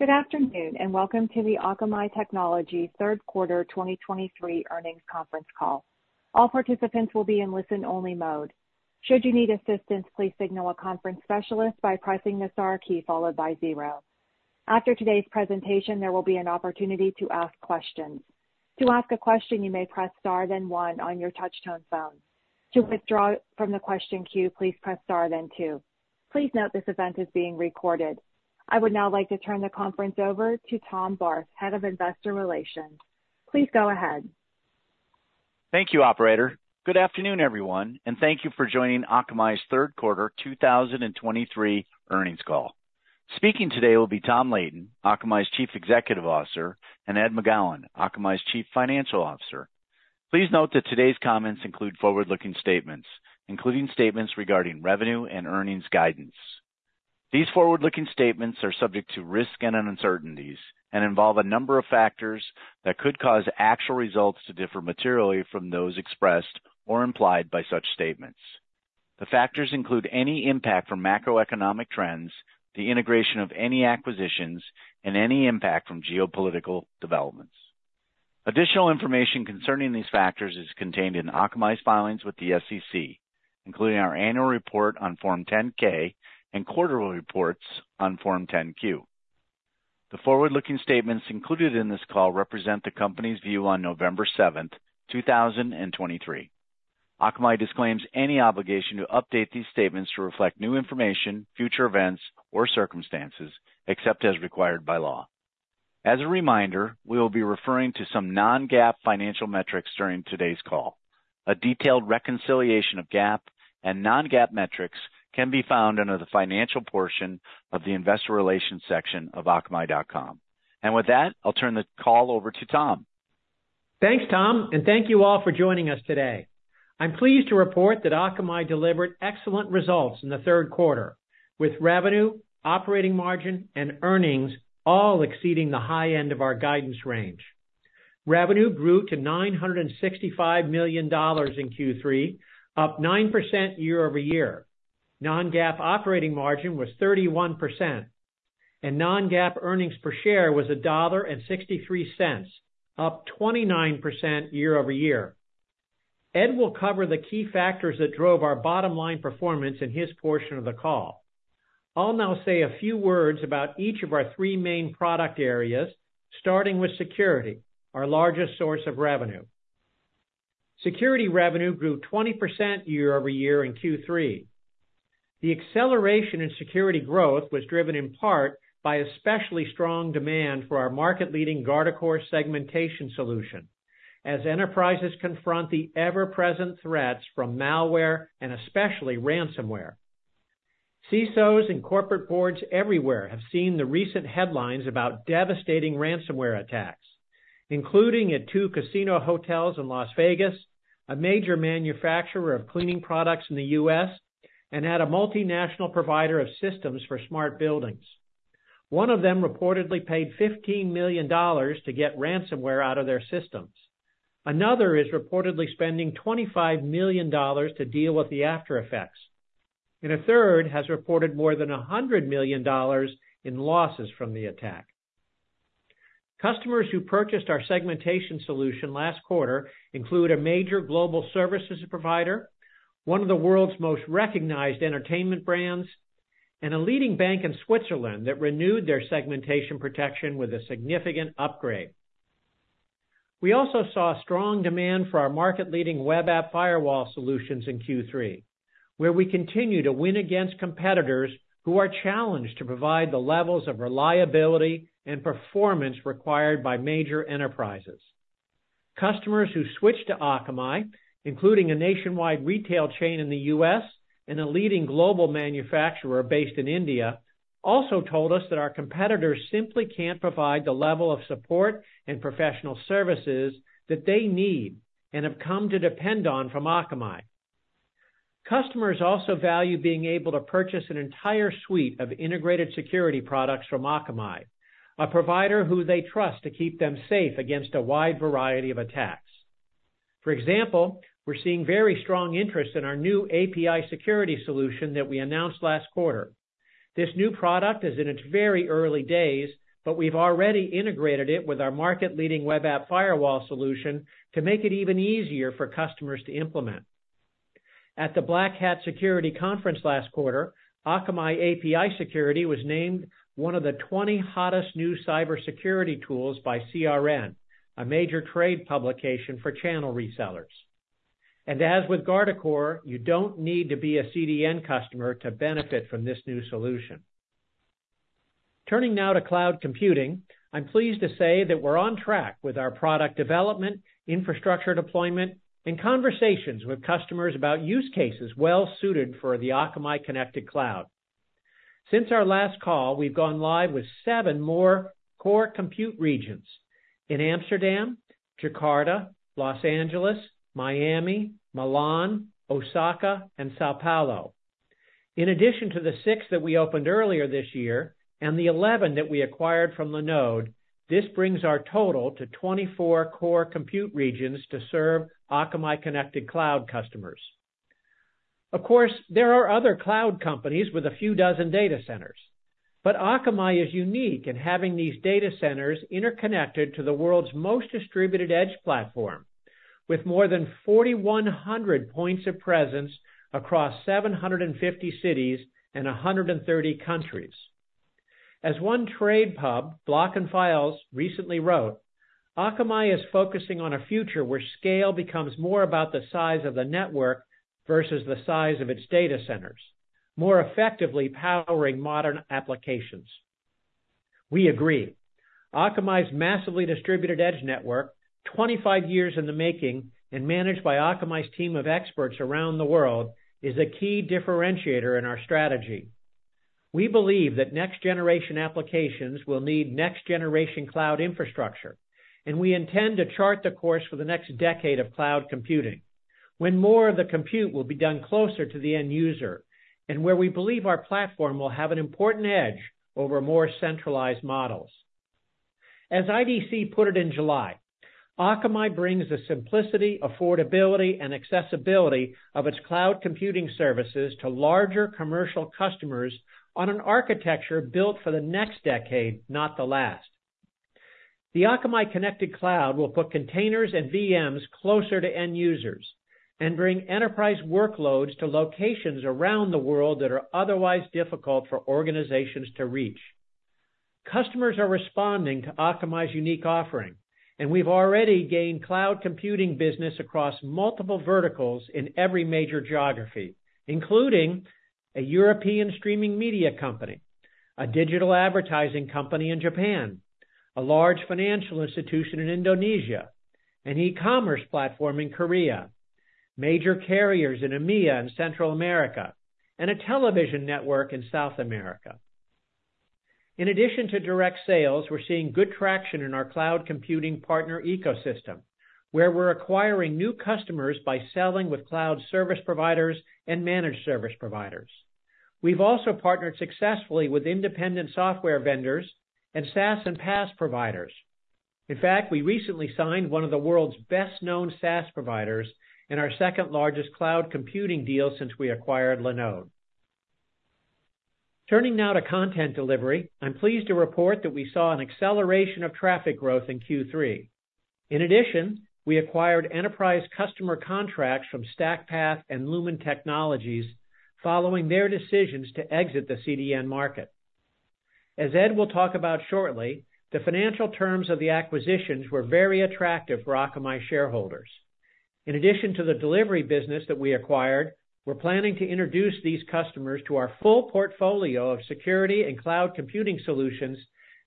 Good afternoon, and welcome to the Akamai Technologies third quarter 2023 earnings conference call. All participants will be in listen-only mode. Should you need assistance, please signal a conference specialist by pressing the star key followed by zero. After today's presentation, there will be an opportunity to ask questions. To ask a question, you may press star, then one on your touchtone phone. To withdraw from the question queue, please press star then two. Please note, this event is being recorded. I would now like to turn the conference over to Tom Barth, Head of Investor Relations. Please go ahead. Thank you, operator. Good afternoon, everyone, and thank you for joining Akamai's third quarter 2023 earnings call. Speaking today will be Tom Leighton, Akamai's Chief Executive Officer, and Ed McGowan, Akamai's Chief Financial Officer. Please note that today's comments include forward-looking statements, including statements regarding revenue and earnings guidance. These forward-looking statements are subject to risks and uncertainties and involve a number of factors that could cause actual results to differ materially from those expressed or implied by such statements. The factors include any impact from macroeconomic trends, the integration of any acquisitions, and any impact from geopolitical developments. Additional information concerning these factors is contained in Akamai's filings with the SEC, including our annual report on Form 10-K and quarterly reports on Form 10-Q. The forward-looking statements included in this call represent the company's view on November 17th, 2023. Akamai disclaims any obligation to update these statements to reflect new information, future events, or circumstances, except as required by law. As a reminder, we will be referring to some non-GAAP financial metrics during today's call. A detailed reconciliation of GAAP and non-GAAP metrics can be found under the Financial portion of the Investor Relations section of akamai.com. With that, I'll turn the call over to Tom. Thanks, Tom, and thank you all for joining us today. I'm pleased to report that Akamai delivered excellent results in the third quarter, with revenue, operating margin, and earnings all exceeding the high end of our guidance range. Revenue grew to $965 million in Q3, up 9% year-over-year. Non-GAAP operating margin was 31%, and non-GAAP earnings per share was $1.63, up 29% year-over-year. Ed will cover the key factors that drove our bottom-line performance in his portion of the call. I'll now say a few words about each of our three main product areas, starting with security, our largest source of revenue. Security revenue grew 20% year-over-year in Q3. The acceleration in security growth was driven in part by especially strong demand for our market-leading Guardicore Segmentation solution, as enterprises confront the ever-present threats from malware and especially ransomware. CISOs and corporate boards everywhere have seen the recent headlines about devastating ransomware attacks, including at two casino hotels in Las Vegas, a major manufacturer of cleaning products in the U.S., and at a multinational provider of systems for smart buildings. One of them reportedly paid $15 million to get ransomware out of their systems. Another is reportedly spending $25 million to deal with the aftereffects, and a third has reported more than $100 million in losses from the attack. Customers who purchased our segmentation solution last quarter include a major global services provider, one of the world's most recognized entertainment brands, and a leading bank in Switzerland that renewed their segmentation protection with a significant upgrade. We also saw strong demand for our market-leading web app firewall solutions in Q3, where we continue to win against competitors who are challenged to provide the levels of reliability and performance required by major enterprises. Customers who switched to Akamai, including a nationwide retail chain in the U.S. and a leading global manufacturer based in India, also told us that our competitors simply can't provide the level of support and professional services that they need and have come to depend on from Akamai. Customers also value being able to purchase an entire suite of integrated security products from Akamai, a provider who they trust to keep them safe against a wide variety of attacks. For example, we're seeing very strong interest in our new API Security solution that we announced last quarter. This new product is in its very early days, but we've already integrated it with our market-leading web app firewall solution to make it even easier for customers to implement. At the Black Hat Security Conference last quarter, Akamai API Security was named one of the 20 hottest new cybersecurity tools by CRN, a major trade publication for channel resellers. As with Guardicore, you don't need to be a CDN customer to benefit from this new solution. Turning now to cloud computing, I'm pleased to say that we're on track with our product development, infrastructure deployment, and conversations with customers about use cases well suited for the Akamai Connected Cloud. Since our last call, we've gone live with seven more core compute regions in Amsterdam, Jakarta, Los Angeles, Miami, Milan, Osaka, and São Paulo. In addition to the six that we opened earlier this year and the 11 that we acquired from Linode, this brings our total to 24 core compute regions to serve Akamai Connected Cloud customers.... Of course, there are other cloud companies with a few dozen data centers, but Akamai is unique in having these data centers interconnected to the world's most distributed edge platform, with more than 4,100 points of presence across 750 cities and 130 countries. As one trade pub, Blocks and Files, recently wrote, "Akamai is focusing on a future where scale becomes more about the size of the network versus the size of its data centers, more effectively powering modern applications." We agree. Akamai's massively distributed edge network, 25 years in the making and managed by Akamai's team of experts around the world, is a key differentiator in our strategy. We believe that next generation applications will need next generation cloud infrastructure, and we intend to chart the course for the next decade of cloud computing, when more of the compute will be done closer to the end user, and where we believe our platform will have an important edge over more centralized models. As IDC put it in July, "Akamai brings the simplicity, affordability, and accessibility of its cloud computing services to larger commercial customers on an architecture built for the next decade, not the last." The Akamai Connected Cloud will put containers and VMs closer to end users and bring enterprise workloads to locations around the world that are otherwise difficult for organizations to reach. Customers are responding to Akamai's unique offering, and we've already gained cloud computing business across multiple verticals in every major geography, including a European streaming media company, a digital advertising company in Japan, a large financial institution in Indonesia, an e-commerce platform in Korea, major carriers in EMEA and Central America, and a television network in South America. In addition to direct sales, we're seeing good traction in our cloud computing partner ecosystem, where we're acquiring new customers by selling with cloud service providers and managed service providers. We've also partnered successfully with independent software vendors and SaaS and PaaS providers. In fact, we recently signed one of the world's best-known SaaS providers in our second-largest cloud computing deal since we acquired Linode. Turning now to content delivery, I'm pleased to report that we saw an acceleration of traffic growth in Q3. In addition, we acquired enterprise customer contracts from StackPath and Lumen Technologies following their decisions to exit the CDN market. As Ed will talk about shortly, the financial terms of the acquisitions were very attractive for Akamai shareholders. In addition to the delivery business that we acquired, we're planning to introduce these customers to our full portfolio of security and cloud computing solutions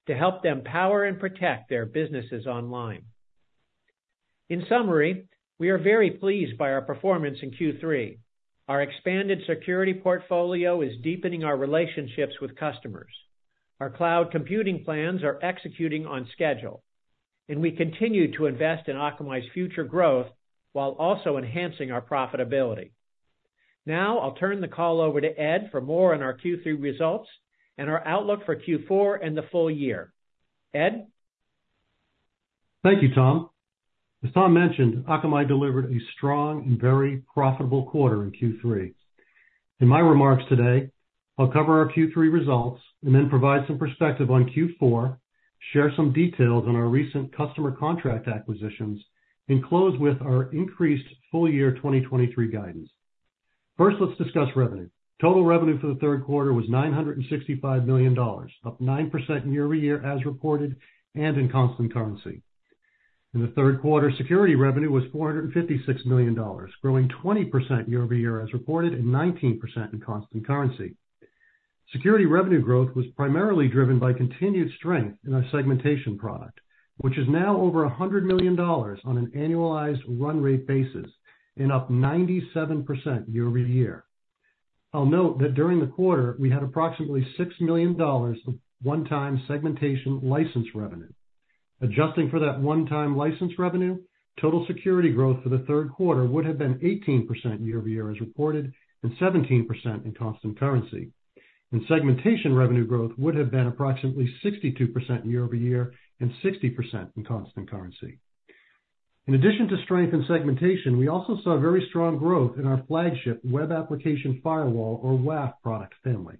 to help them power and protect their businesses online. In summary, we are very pleased by our performance in Q3. Our expanded security portfolio is deepening our relationships with customers. Our cloud computing plans are executing on schedule, and we continue to invest in Akamai's future growth while also enhancing our profitability. Now, I'll turn the call over to Ed for more on our Q3 results and our outlook for Q4 and the full year. Ed? Thank you, Tom. As Tom mentioned, Akamai delivered a strong and very profitable quarter in Q3. In my remarks today, I'll cover our Q3 results and then provide some perspective on Q4, share some details on our recent customer contract acquisitions, and close with our increased full-year 2023 guidance. First, let's discuss revenue. Total revenue for the third quarter was $965 million, up 9% year-over-year as reported and in constant currency. In the third quarter, security revenue was $456 million, growing 20% year-over-year as reported, and 19% in constant currency. Security revenue growth was primarily driven by continued strength in our segmentation product, which is now over $100 million on an annualized run rate basis and up 97% year-over-year. I'll note that during the quarter, we had approximately $6 million of one-time segmentation license revenue. Adjusting for that one-time license revenue, total security growth for the third quarter would have been 18% year-over-year, as reported, and 17% in constant currency. Segmentation revenue growth would have been approximately 62% year-over-year and 60% in constant currency. In addition to strength in segmentation, we also saw very strong growth in our flagship Web Application Firewall, or WAF, product family.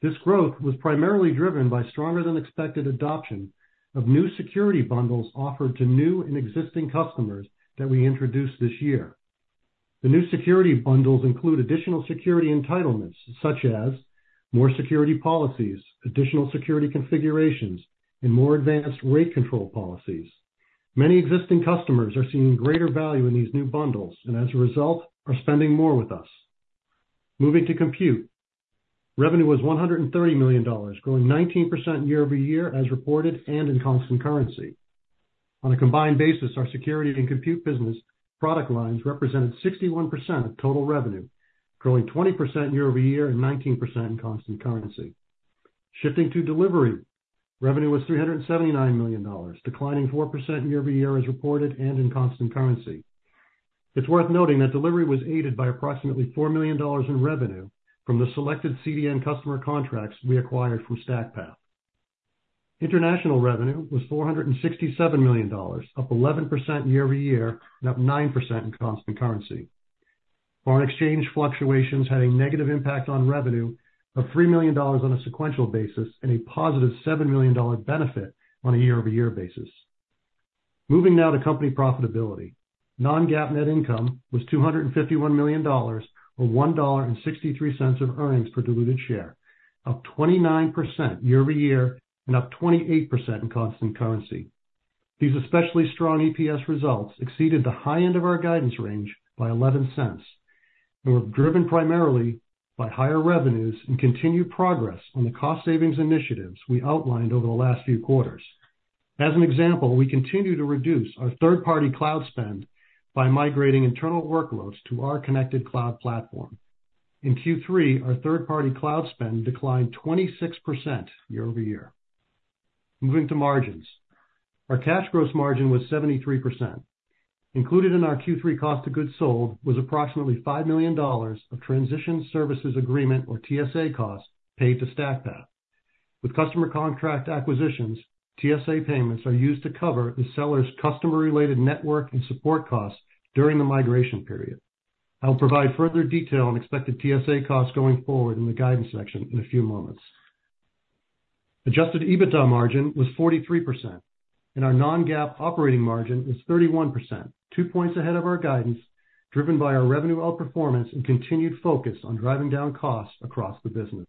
This growth was primarily driven by stronger than expected adoption of new security bundles offered to new and existing customers that we introduced this year. The new security bundles include additional security entitlements, such as more security policies, additional security configurations, and more advanced rate control policies. Many existing customers are seeing greater value in these new bundles and, as a result, are spending more with us. Moving to compute. Revenue was $130 million, growing 19% year-over-year as reported and in constant currency. On a combined basis, our security and compute business product lines represented 61% of total revenue, growing 20% year-over-year and 19% in constant currency. Shifting to delivery, revenue was $379 million, declining 4% year-over-year as reported and in constant currency. It's worth noting that delivery was aided by approximately $4 million in revenue from the selected CDN customer contracts we acquired from StackPath. International revenue was $467 million, up 11% year-over-year, and up 9% in constant currency. Foreign exchange fluctuations had a negative impact on revenue of $3 million on a sequential basis, and a positive $7 million benefit on a year-over-year basis. Moving now to company profitability. Non-GAAP net income was $251 million, or $1.63 of earnings per diluted share, up 29% year-over-year and up 28% in constant currency. These especially strong EPS results exceeded the high end of our guidance range by $0.11 and were driven primarily by higher revenues and continued progress on the cost savings initiatives we outlined over the last few quarters. As an example, we continue to reduce our third-party cloud spend by migrating internal workloads to our connected cloud platform. In Q3, our third-party cloud spend declined 26% year-over-year. Moving to margins. Our cash gross margin was 73%. Included in our Q3 cost of goods sold was approximately $5 million of transition services agreement, or TSA, costs paid to StackPath. With customer contract acquisitions, TSA payments are used to cover the seller's customer-related network and support costs during the migration period. I'll provide further detail on expected TSA costs going forward in the guidance section in a few moments. Adjusted EBITDA margin was 43%, and our Non-GAAP operating margin was 31%, two points ahead of our guidance, driven by our revenue outperformance and continued focus on driving down costs across the business.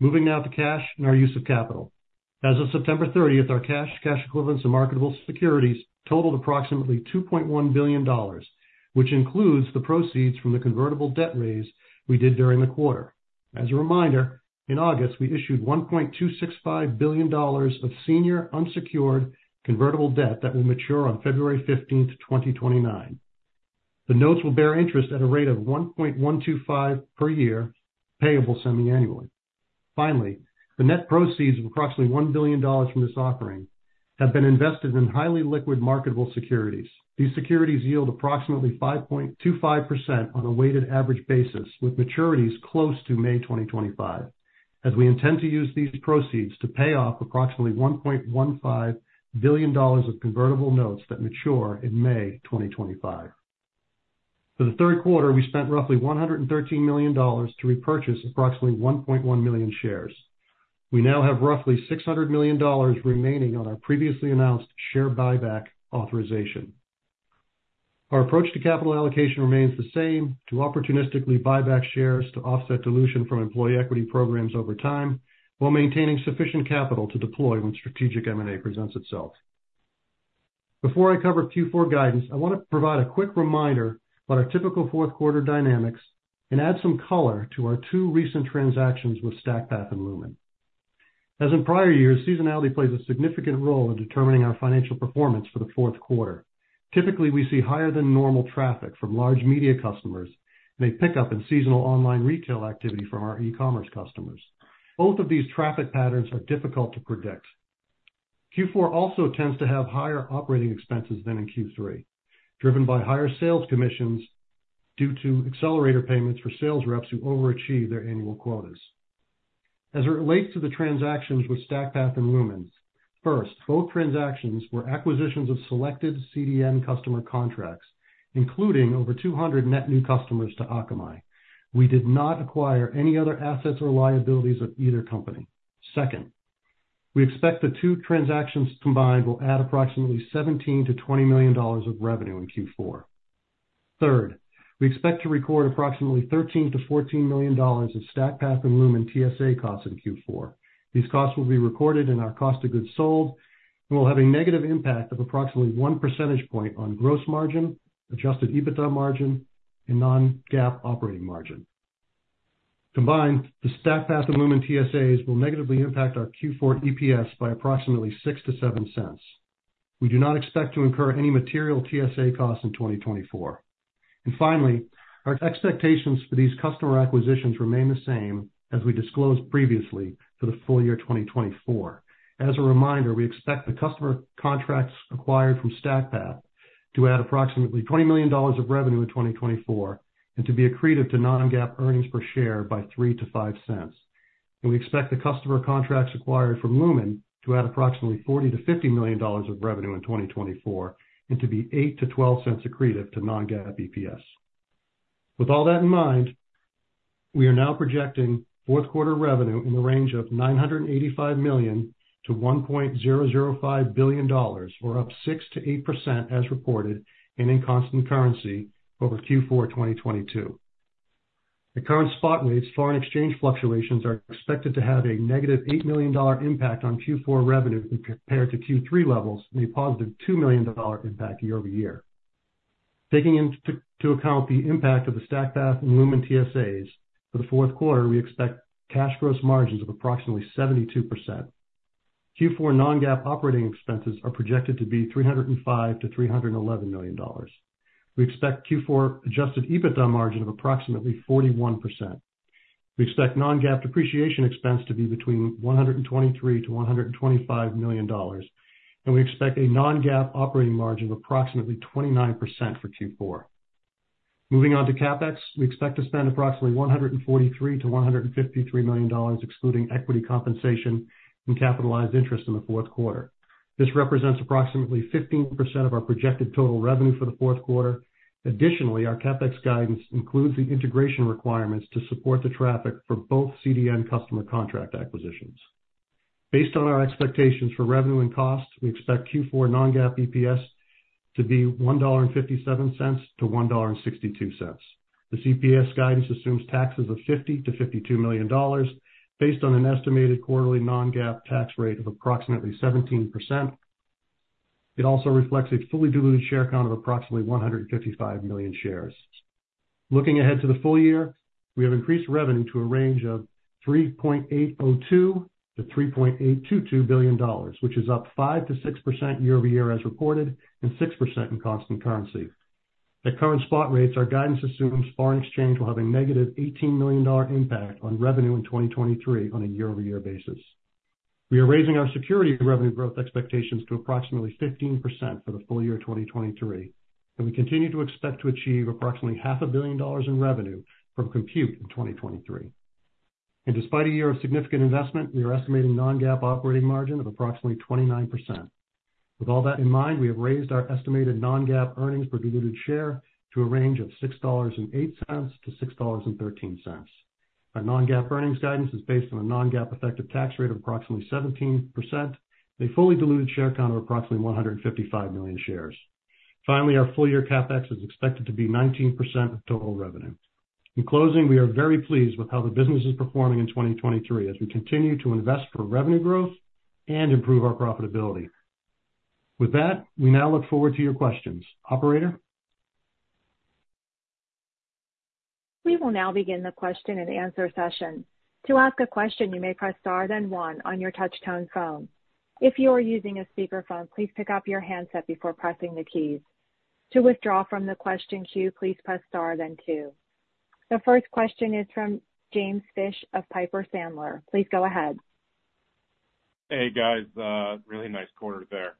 Moving now to cash and our use of capital. As of September 30, our cash, cash equivalents, and marketable securities totaled approximately $2.1 billion, which includes the proceeds from the convertible debt raise we did during the quarter. As a reminder, in August, we issued $1.265 billion of senior unsecured convertible debt that will mature on February 15th, 2029. The notes will bear interest at a rate of 1.125% per year, payable semiannually. Finally, the net proceeds of approximately $1 billion from this offering have been invested in highly liquid, marketable securities. These securities yield approximately 5.25% on a weighted average basis, with maturities close to May 2025, as we intend to use these proceeds to pay off approximately $1.15 billion of convertible notes that mature in May 2025. For the third quarter, we spent roughly $113 million to repurchase approximately 1.1 million shares. We now have roughly $600 million remaining on our previously announced share buyback authorization. Our approach to capital allocation remains the same: to opportunistically buy back shares to offset dilution from employee equity programs over time, while maintaining sufficient capital to deploy when strategic M&A presents itself. Before I cover Q4 guidance, I want to provide a quick reminder about our typical fourth quarter dynamics and add some color to our two recent transactions with StackPath and Lumen. As in prior years, seasonality plays a significant role in determining our financial performance for the fourth quarter. Typically, we see higher than normal traffic from large media customers and a pickup in seasonal online retail activity from our e-commerce customers. Both of these traffic patterns are difficult to predict. Q4 also tends to have higher operating expenses than in Q3, driven by higher sales commissions due to accelerator payments for sales reps who overachieve their annual quotas. As it relates to the transactions with StackPath and Lumen, first, both transactions were acquisitions of selected CDN customer contracts, including over 200 net new customers to Akamai. We did not acquire any other assets or liabilities of either company. Second, we expect the two transactions combined will add approximately $17 million-$20 million of revenue in Q4. Third, we expect to record approximately $13 million-$14 million of StackPath and Lumen TSA costs in Q4. These costs will be recorded in our cost of goods sold and will have a negative impact of approximately 1 percentage point on gross margin, adjusted EBITDA margin, and non-GAAP operating margin. Combined, the StackPath and Lumen TSAs will negatively impact our Q4 EPS by approximately $0.06-$0.07. We do not expect to incur any material TSA costs in 2024. Finally, our expectations for these customer acquisitions remain the same as we disclosed previously for the full year 2024. As a reminder, we expect the customer contracts acquired from StackPath to add approximately $20 million of revenue in 2024, and to be accretive to non-GAAP earnings per share by $0.03-$0.05. We expect the customer contracts acquired from Lumen to add approximately $40-$50 million of revenue in 2024, and to be $0.08-$0.12 accretive to non-GAAP EPS. With all that in mind, we are now projecting fourth quarter revenue in the range of $985 million-$1.005 billion, or up 6%-8% as reported and in constant currency over Q4 2022. At current spot rates, foreign exchange fluctuations are expected to have a negative $8 million impact on Q4 revenue compared to Q3 levels, and a positive $2 million impact year-over-year. Taking into account the impact of the StackPath and Lumen TSAs, for the fourth quarter, we expect cash gross margins of approximately 72%. Q4 non-GAAP operating expenses are projected to be $305 million-$311 million. We expect Q4 adjusted EBITDA margin of approximately 41%. We expect non-GAAP depreciation expense to be between $123 million-$125 million, and we expect a non-GAAP operating margin of approximately 29% for Q4. Moving on to CapEx. We expect to spend approximately $143 million-$153 million, excluding equity compensation and capitalized interest in the fourth quarter. This represents approximately 15% of our projected total revenue for the fourth quarter. Additionally, our CapEx guidance includes the integration requirements to support the traffic for both CDN customer contract acquisitions. Based on our expectations for revenue and costs, we expect Q4 non-GAAP EPS to be $1.57-$1.62. The EPS guidance assumes taxes of $50 million-$52 million, based on an estimated quarterly non-GAAP tax rate of approximately 17%. It also reflects a fully diluted share count of approximately 155 million shares. Looking ahead to the full year, we have increased revenue to a range of $3.802 billion-$3.822 billion, which is up 5%-6% year-over-year as reported, and 6% in constant currency. At current spot rates, our guidance assumes foreign exchange will have a negative $18 million impact on revenue in 2023 on a year-over-year basis. We are raising our security revenue growth expectations to approximately 15% for the full year 2023, and we continue to expect to achieve approximately $500 million in revenue from compute in 2023. And despite a year of significant investment, we are estimating non-GAAP operating margin of approximately 29%. With all that in mind, we have raised our estimated non-GAAP earnings per diluted share to a range of $6.08-$6.13. Our non-GAAP earnings guidance is based on a non-GAAP effective tax rate of approximately 17%, a fully diluted share count of approximately 155 million shares. Finally, our full year CapEx is expected to be 19% of total revenue. In closing, we are very pleased with how the business is performing in 2023 as we continue to invest for revenue growth and improve our profitability. With that, we now look forward to your questions. Operator? We will now begin the question and answer session. To ask a question, you may press star then one on your touchtone phone. If you are using a speakerphone, please pick up your handset before pressing the keys. To withdraw from the question queue, please press star then two. The first question is from James Fish of Piper Sandler. Please go ahead. Hey, guys, really nice quarter there.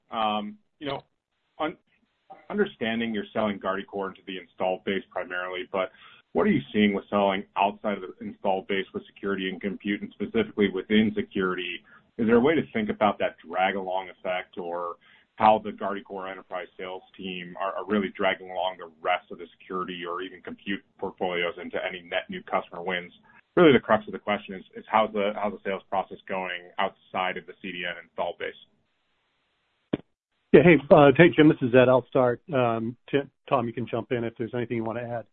You know, understanding you're selling Guardicore to the installed base primarily, but what are you seeing with selling outside of the installed base with security and compute, and specifically within security, is there a way to think about that drag along effect or how the Guardicore enterprise sales team are, are really dragging along the rest of the security or even compute portfolios into any net new customer wins? Really, the crux of the question is, is how's the, how's the sales process going outside of the CDN installed base? Yeah. Hey, hey, Jim, this is Ed. I'll start. Tom, you can jump in if there's anything you want to add.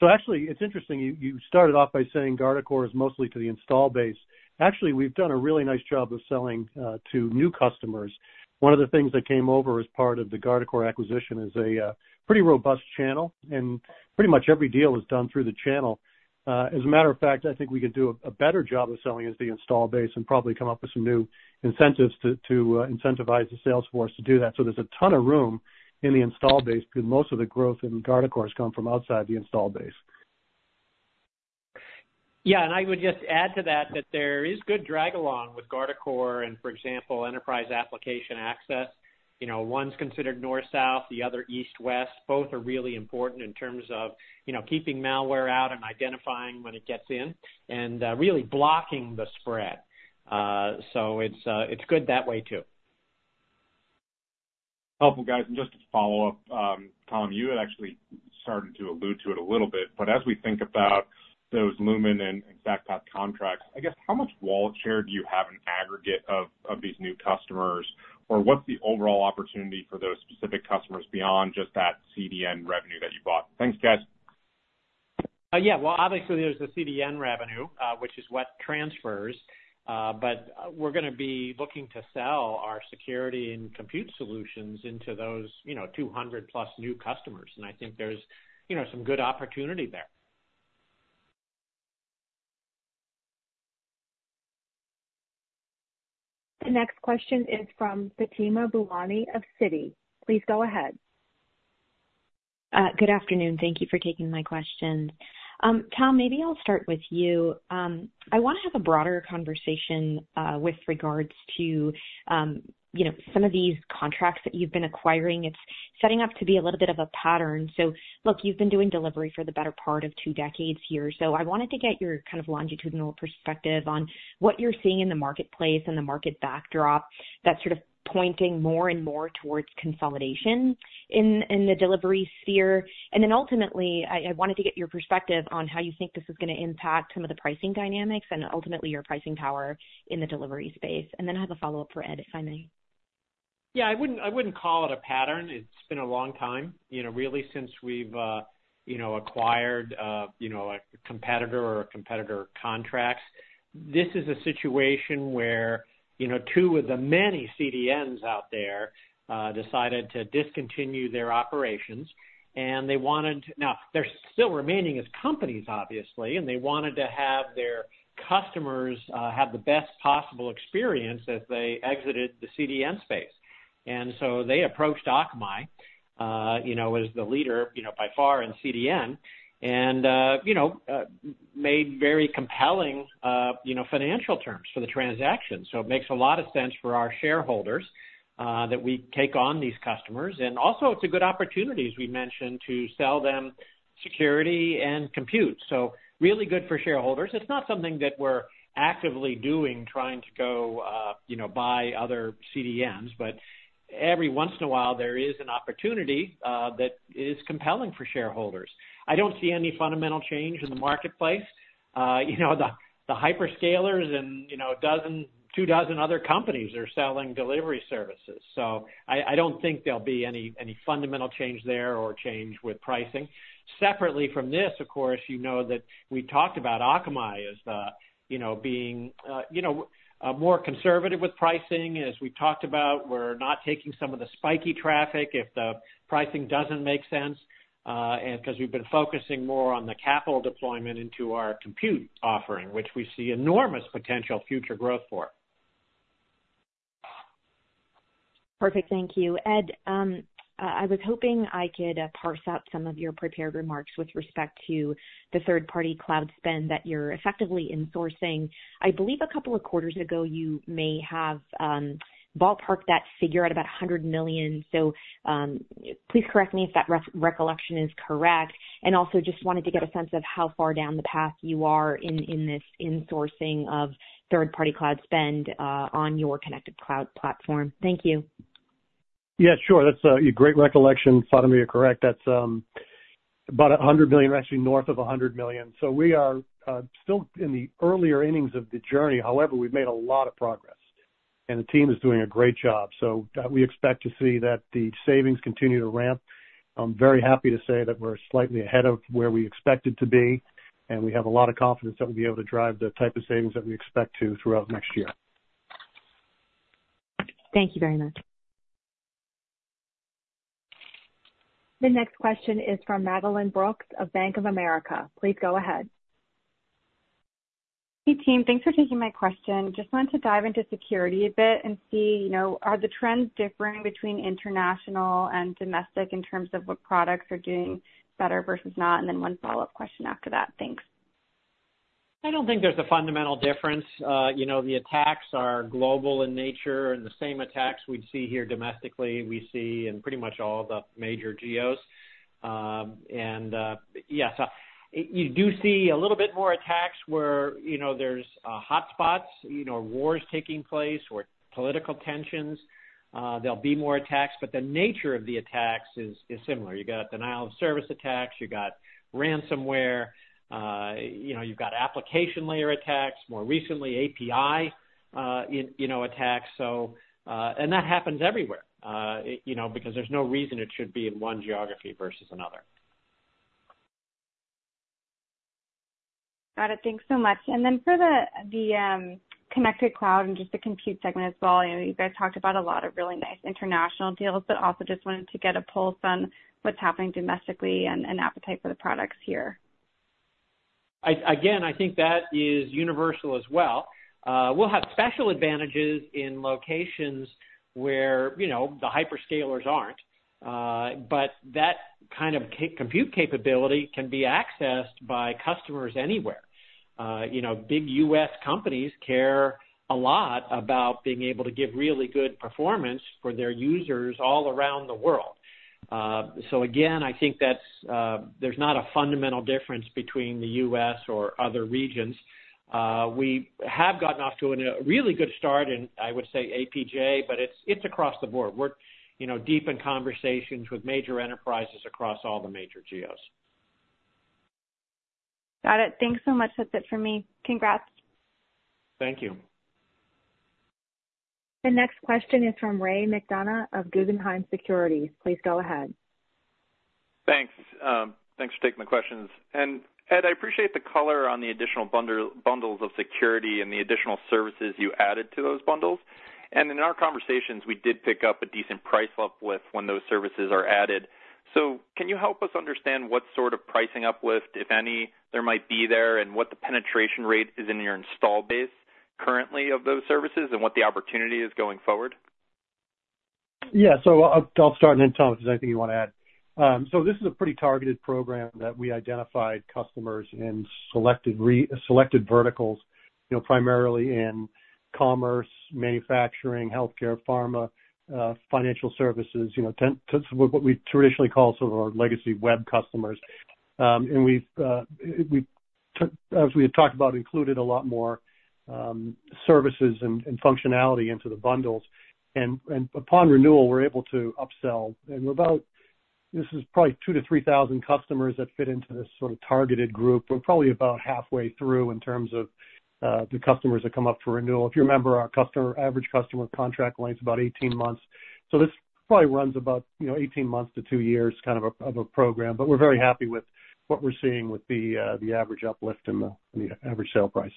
So actually, it's interesting, you, you started off by saying Guardicore is mostly to the install base. Actually, we've done a really nice job of selling to new customers. One of the things that came over as part of the Guardicore acquisition is a pretty robust channel, and pretty much every deal is done through the channel. As a matter of fact, I think we could do a better job of selling as the install base and probably come up with some new incentives to incentivize the sales force to do that. So there's a ton of room in the install base because most of the growth in Guardicore has come from outside the install base. Yeah, and I would just add to that, that there is good drag along with Guardicore and, for example, Enterprise Application Access. You know, one's considered north-south, the other east-west. Both are really important in terms of, you know, keeping malware out and identifying when it gets in and really blocking the spread. So it's good that way, too. Helpful, guys. And just to follow up, Tom, you had actually started to allude to it a little bit, but as we think about those Lumen and StackPath contracts, I guess, how much wallet share do you have in aggregate of these new customers? Or what's the overall opportunity for those specific customers beyond just that CDN revenue that you bought? Thanks, guys. Yeah, well, obviously there's the CDN revenue, which is what transfers, but we're gonna be looking to sell our security and compute solutions into those, you know, 200+ new customers. And I think there's, you know, some good opportunity there. The next question is from Fatima Boolani of Citi. Please go ahead. Good afternoon. Thank you for taking my question. Tom, maybe I'll start with you. I want to have a broader conversation, with regards to, you know, some of these contracts that you've been acquiring. It's setting up to be a little bit of a pattern. So look, you've been doing delivery for the better part of two decades here, so I wanted to get your kind of longitudinal perspective on what you're seeing in the marketplace and the market backdrop that's sort of pointing more and more towards consolidation in the delivery sphere. And then ultimately, I wanted to get your perspective on how you think this is going to impact some of the pricing dynamics and ultimately your pricing power in the delivery space. And then I have a follow-up for Ed, if I may. Yeah, I wouldn't, I wouldn't call it a pattern. It's been a long time, you know, really, since we've, you know, acquired, you know, a competitor or competitor contracts. This is a situation where, you know, two of the many CDNs out there, decided to discontinue their operations, and they wanted to. Now, they're still remaining as companies, obviously, and they wanted to have their customers, have the best possible experience as they exited the CDN space. And so they approached Akamai, you know, as the leader, you know, by far in CDN, and, you know, made very compelling, you know, financial terms for the transaction. So it makes a lot of sense for our shareholders, that we take on these customers. And also it's a good opportunity, as we mentioned, to sell them security and compute. So really good for shareholders. It's not something that we're actively doing, trying to go, you know, buy other CDNs, but every once in a while, there is an opportunity, that is compelling for shareholders. I don't see any fundamental change in the marketplace. You know, the hyperscalers and, you know, 12-24 other companies are selling delivery services, so I don't think there'll be any fundamental change there or change with pricing. Separately from this, of course, you know that we talked about Akamai as the, you know, being, you know, more conservative with pricing. As we talked about, we're not taking some of the spiky traffic if the pricing doesn't make sense, and because we've been focusing more on the capital deployment into our compute offering, which we see enormous potential future growth for. Perfect. Thank you. Ed, I was hoping I could parse out some of your prepared remarks with respect to the third-party cloud spend that you're effectively insourcing. I believe a couple of quarters ago, you may have ballparked that figure at about $100 million. So, please correct me if that recollection is correct, and also just wanted to get a sense of how far down the path you are in this insourcing of third-party cloud spend on your Connected Cloud platform. Thank you. Yeah, sure. That's a great recollection, Fatima. You're correct. That's about $100 million, actually north of $100 million. So we are still in the earlier innings of the journey. However, we've made a lot of progress, and the team is doing a great job, so we expect to see that the savings continue to ramp. I'm very happy to say that we're slightly ahead of where we expected to be, and we have a lot of confidence that we'll be able to drive the type of savings that we expect to throughout next year. Thank you very much. The next question is from Madeline Brooks of Bank of America. Please go ahead. Hey, team. Thanks for taking my question. Just wanted to dive into security a bit and see, you know, are the trends differing between international and domestic in terms of what products are doing better versus not? And then one follow-up question after that. Thanks. I don't think there's a fundamental difference. You know, the attacks are global in nature, and the same attacks we'd see here domestically, we see in pretty much all the major geos. And yes, you do see a little bit more attacks where, you know, there's hotspots, you know, wars taking place or political tensions. There'll be more attacks, but the nature of the attacks is similar. You got denial of service attacks, you got ransomware, you know, you've got application layer attacks, more recently, API attacks. And that happens everywhere, you know, because there's no reason it should be in one geography versus another. Got it. Thanks so much. And then for the connected cloud and just the compute segment as well, you know, you guys talked about a lot of really nice international deals, but also just wanted to get a pulse on what's happening domestically and appetite for the products here. Again, I think that is universal as well. We'll have special advantages in locations where, you know, the hyperscalers aren't, but that kind of compute capability can be accessed by customers anywhere. You know, big U.S. companies care a lot about being able to give really good performance for their users all around the world. So again, I think that's. There's not a fundamental difference between the U.S. or other regions. We have gotten off to a really good start in, I would say, APJ, but it's across the board. We're, you know, deep in conversations with major enterprises across all the major geos. Got it. Thanks so much. That's it for me. Congrats. Thank you. The next question is from Ray McDonough of Guggenheim Securities. Please go ahead. Thanks. Thanks for taking my questions. Ed, I appreciate the color on the additional bundle, bundles of security and the additional services you added to those bundles. In our conversations, we did pick up a decent price uplift when those services are added. Can you help us understand what sort of pricing uplift, if any, there might be there, and what the penetration rate is in your install base currently of those services, and what the opportunity is going forward? Yeah, so I'll start and then Thomas, anything you want to add. So this is a pretty targeted program that we identified customers in selected verticals, you know, primarily in commerce, manufacturing, healthcare, pharma, financial services, you know, what we traditionally call sort of our legacy web customers. And we've we took, as we had talked about, included a lot more services and functionality into the bundles, and upon renewal, we're able to upsell. And we're about, this is probably 2-3 thousand customers that fit into this sort of targeted group. We're probably about halfway through in terms of the customers that come up for renewal. If you remember, our average customer contract length is about 18 months. So this probably runs about, you know, 18 months to two years, kind of a program, but we're very happy with what we're seeing with the average uplift in the average sale price.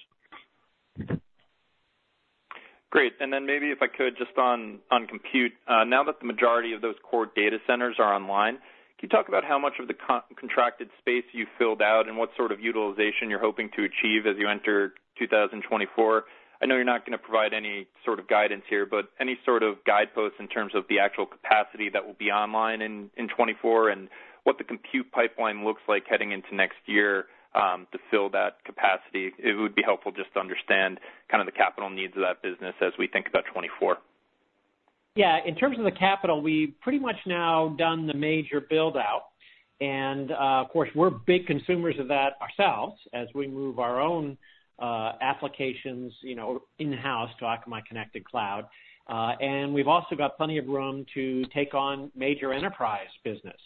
Great. And then maybe if I could, just on, on compute, now that the majority of those core data centers are online, can you talk about how much of the contracted space you've filled out and what sort of utilization you're hoping to achieve as you enter 2024? I know you're not gonna provide any sort of guidance here, but any sort of guideposts in terms of the actual capacity that will be online in 2024, and what the compute pipeline looks like heading into next year, to fill that capacity? It would be helpful just to understand kind of the capital needs of that business as we think about 2024. Yeah, in terms of the capital, we've pretty much now done the major build-out, and, of course, we're big consumers of that ourselves as we move our own applications, you know, in-house to Akamai Connected Cloud. And we've also got plenty of room to take on major enterprise business.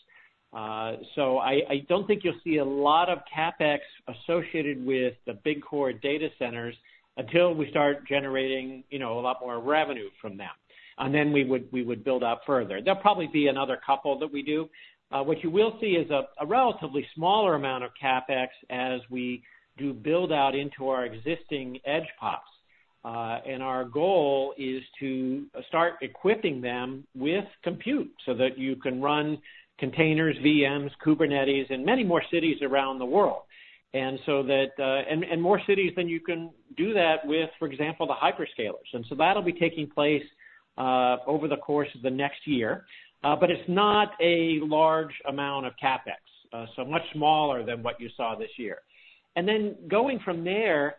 So I don't think you'll see a lot of CapEx associated with the big core data centers until we start generating, you know, a lot more revenue from them, and then we would build out further. There'll probably be another couple that we do. What you will see is a relatively smaller amount of CapEx as we do build out into our existing edge pops. And our goal is to start equipping them with compute, so that you can run containers, VMs, Kubernetes in many more cities around the world. And more cities than you can do that with, for example, the hyperscalers. And so that'll be taking place over the course of the next year. But it's not a large amount of CapEx, so much smaller than what you saw this year. And then going from there,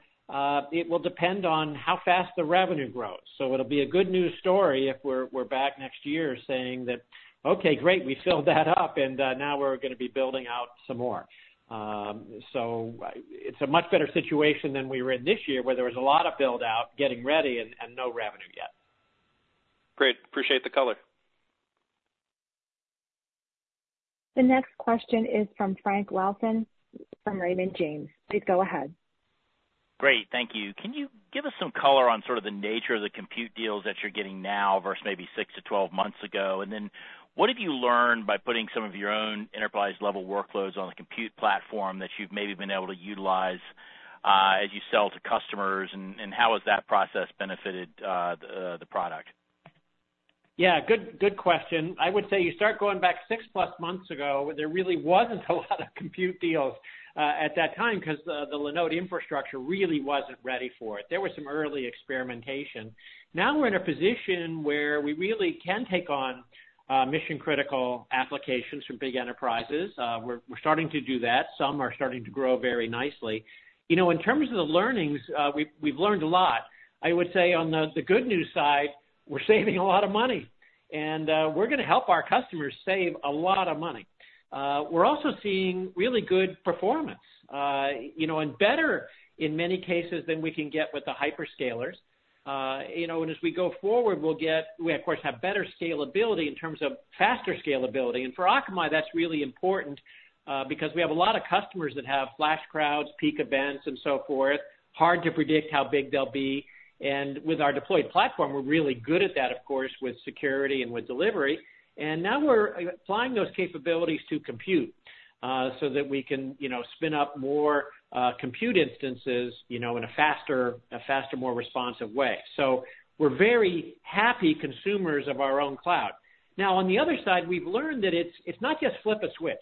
it will depend on how fast the revenue grows. So it'll be a good news story if we're back next year saying that, "Okay, great, we filled that up, and now we're gonna be building out some more." So it's a much better situation than we were in this year, where there was a lot of build-out getting ready and no revenue yet. Great. Appreciate the color. The next question is from Frank Louthan, from Raymond James. Please go ahead. Great, thank you. Can you give us some color on sort of the nature of the compute deals that you're getting now versus maybe 6 months-12 months ago? And then, what have you learned by putting some of your own enterprise-level workloads on the compute platform that you've maybe been able to utilize as you sell to customers, and how has that process benefited the product? Yeah, good, good question. I would say you start going back 6+ months ago, there really wasn't a lot of compute deals at that time, 'cause the Linode infrastructure really wasn't ready for it. There were some early experimentation. Now, we're in a position where we really can take on mission-critical applications from big enterprises. We're starting to do that. Some are starting to grow very nicely. You know, in terms of the learnings, we've learned a lot. I would say on the good news side, we're saving a lot of money, and we're gonna help our customers save a lot of money. We're also seeing really good performance, you know, and better in many cases than we can get with the hyperscalers. You know, and as we go forward, we'll get. We, of course, have better scalability in terms of faster scalability. And for Akamai, that's really important, because we have a lot of customers that have flash crowds, peak events, and so forth, hard to predict how big they'll be. And with our deployed platform, we're really good at that, of course, with security and with delivery. And now we're applying those capabilities to compute, so that we can, you know, spin up more, compute instances, you know, in a faster, more responsive way. So we're very happy consumers of our own cloud. Now, on the other side, we've learned that it's not just flip a switch,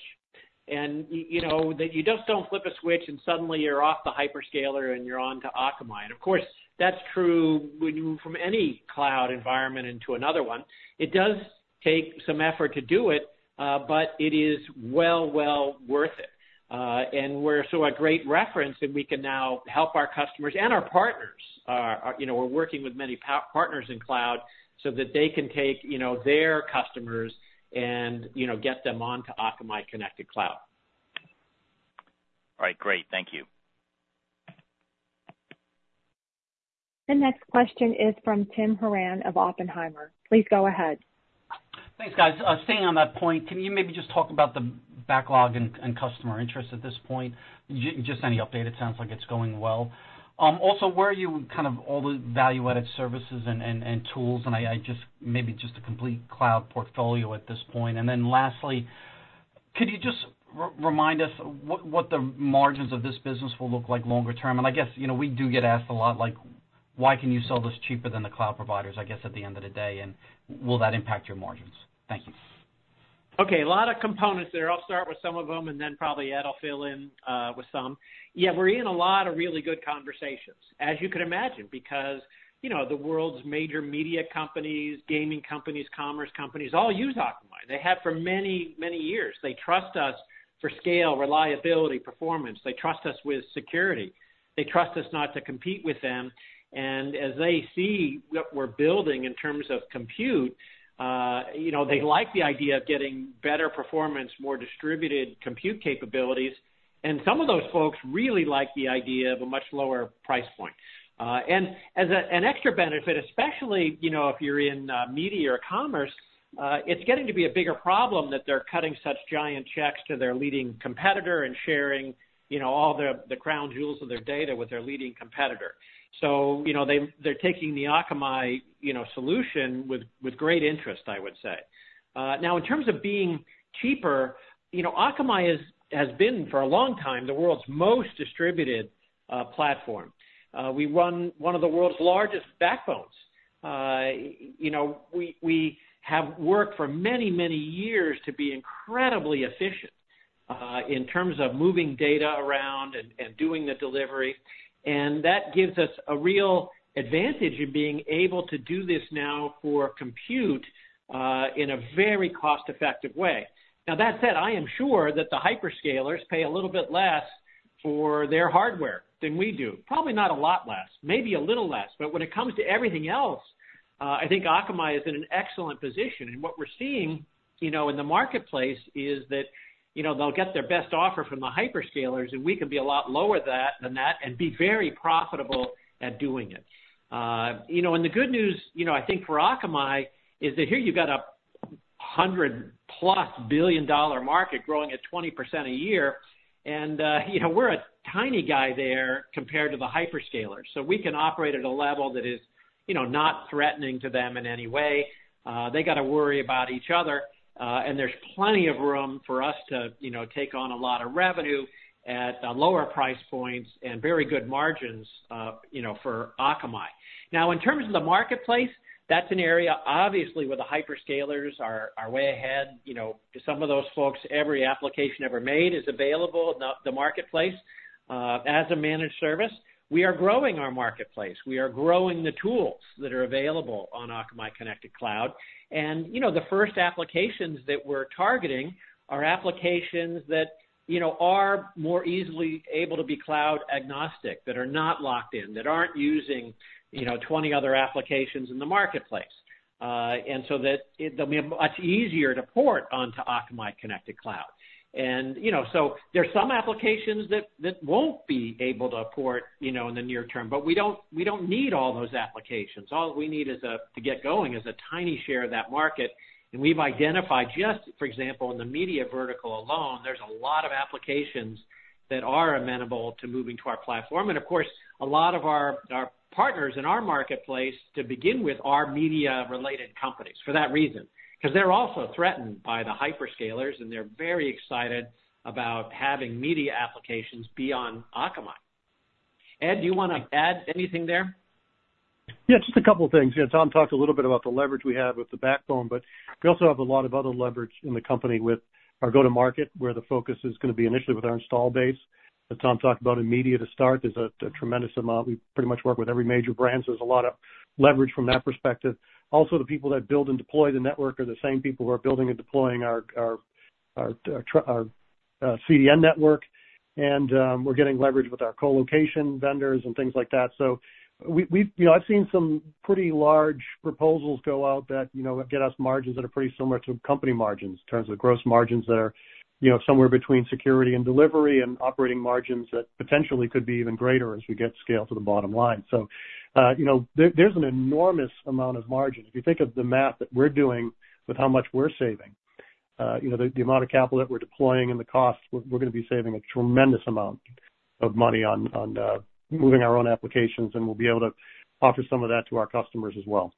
and you know, that you just don't flip a switch and suddenly you're off the hyperscaler and you're on to Akamai. Of course, that's true when you move from any cloud environment into another one. It does take some effort to do it, but it is well, well worth it. We're so a great reference, and we can now help our customers and our partners. You know, we're working with many partners in cloud so that they can take, you know, their customers and, you know, get them onto Akamai Connected Cloud. All right, great. Thank you. The next question is from Tim Horan of Oppenheimer. Please go ahead. Thanks, guys. Staying on that point, can you maybe just talk about the backlog and customer interest at this point? Just any update, it sounds like it's going well. Also, where are you kind of all the value-added services and tools, and I just maybe just a complete cloud portfolio at this point. And then lastly, could you just remind us what the margins of this business will look like longer term? And I guess, you know, we do get asked a lot, like, "Why can you sell this cheaper than the cloud providers?" I guess, at the end of the day, and will that impact your margins? Thank you. Okay, a lot of components there. I'll start with some of them, and then probably Ed will fill in with some. Yeah, we're in a lot of really good conversations, as you could imagine, because, you know, the world's major media companies, gaming companies, commerce companies, all use Akamai. They have for many, many years. They trust us for scale, reliability, performance. They trust us with security. They trust us not to compete with them. And as they see what we're building in terms of compute, you know, they like the idea of getting better performance, more distributed compute capabilities, and some of those folks really like the idea of a much lower price point. And as an extra benefit, especially, you know, if you're in media or commerce, it's getting to be a bigger problem that they're cutting such giant checks to their leading competitor and sharing, you know, all the, the crown jewels of their data with their leading competitor. So, you know, they, they're taking the Akamai solution with great interest, I would say. Now, in terms of being cheaper, you know, Akamai has been, for a long time, the world's most distributed platform. We run one of the world's largest backbones. You know, we, we have worked for many, many years to be incredibly efficient in terms of moving data around and doing the delivery, and that gives us a real advantage in being able to do this now for compute in a very cost-effective way. Now, that said, I am sure that the hyperscalers pay a little bit less for their hardware than we do. Probably not a lot less, maybe a little less. But when it comes to everything else, I think Akamai is in an excellent position, and what we're seeing, you know, in the marketplace is that, you know, they'll get their best offer from the hyperscalers, and we can be a lot lower than that and be very profitable at doing it. You know, and the good news, you know, I think for Akamai, is that here you've got a 100+ billion-dollar market growing at 20% a year, and, you know, we're a tiny guy there compared to the hyperscalers. So we can operate at a level that is, you know, not threatening to them in any way. They gotta worry about each other, and there's plenty of room for us to, you know, take on a lot of revenue at lower price points and very good margins, you know, for Akamai. Now, in terms of the marketplace, that's an area, obviously, where the hyperscalers are way ahead. You know, some of those folks, every application ever made is available in the marketplace as a managed service. We are growing our marketplace. We are growing the tools that are available on Akamai Connected Cloud. And, you know, the first applications that we're targeting are applications that, you know, are more easily able to be cloud agnostic, that are not locked in, that aren't using, you know, 20 other applications in the marketplace. And so they'll be much easier to port onto Akamai Connected Cloud. You know, so there are some applications that, that won't be able to port, you know, in the near term, but we don't, we don't need all those applications. All we need is a, to get going, is a tiny share of that market, and we've identified just, for example, in the media vertical alone, there's a lot of applications that are amenable to moving to our platform. And of course, a lot of our, our partners in our marketplace, to begin with, are media-related companies for that reason, because they're also threatened by the hyperscalers, and they're very excited about having media applications be on Akamai. Ed, do you want to add anything there? Yeah, just a couple of things. Yeah, Tom talked a little bit about the leverage we have with the backbone, but we also have a lot of other leverage in the company with our go-to-market, where the focus is going to be initially with our install base, that Tom talked about in media to start. There's a tremendous amount. We pretty much work with every major brand, so there's a lot of leverage from that perspective. Also, the people that build and deploy the network are the same people who are building and deploying our CDN network, and we're getting leverage with our co-location vendors and things like that. So we, we've, you know, I've seen some pretty large proposals go out that, you know, get us margins that are pretty similar to company margins in terms of gross margins that are, you know, somewhere between security and delivery, and operating margins that potentially could be even greater as we get scale to the bottom line. So, you know, there's an enormous amount of margin. If you think of the math that we're doing with how much we're saving, you know, the amount of capital that we're deploying and the cost, we're gonna be saving a tremendous amount of money on moving our own applications, and we'll be able to offer some of that to our customers as well.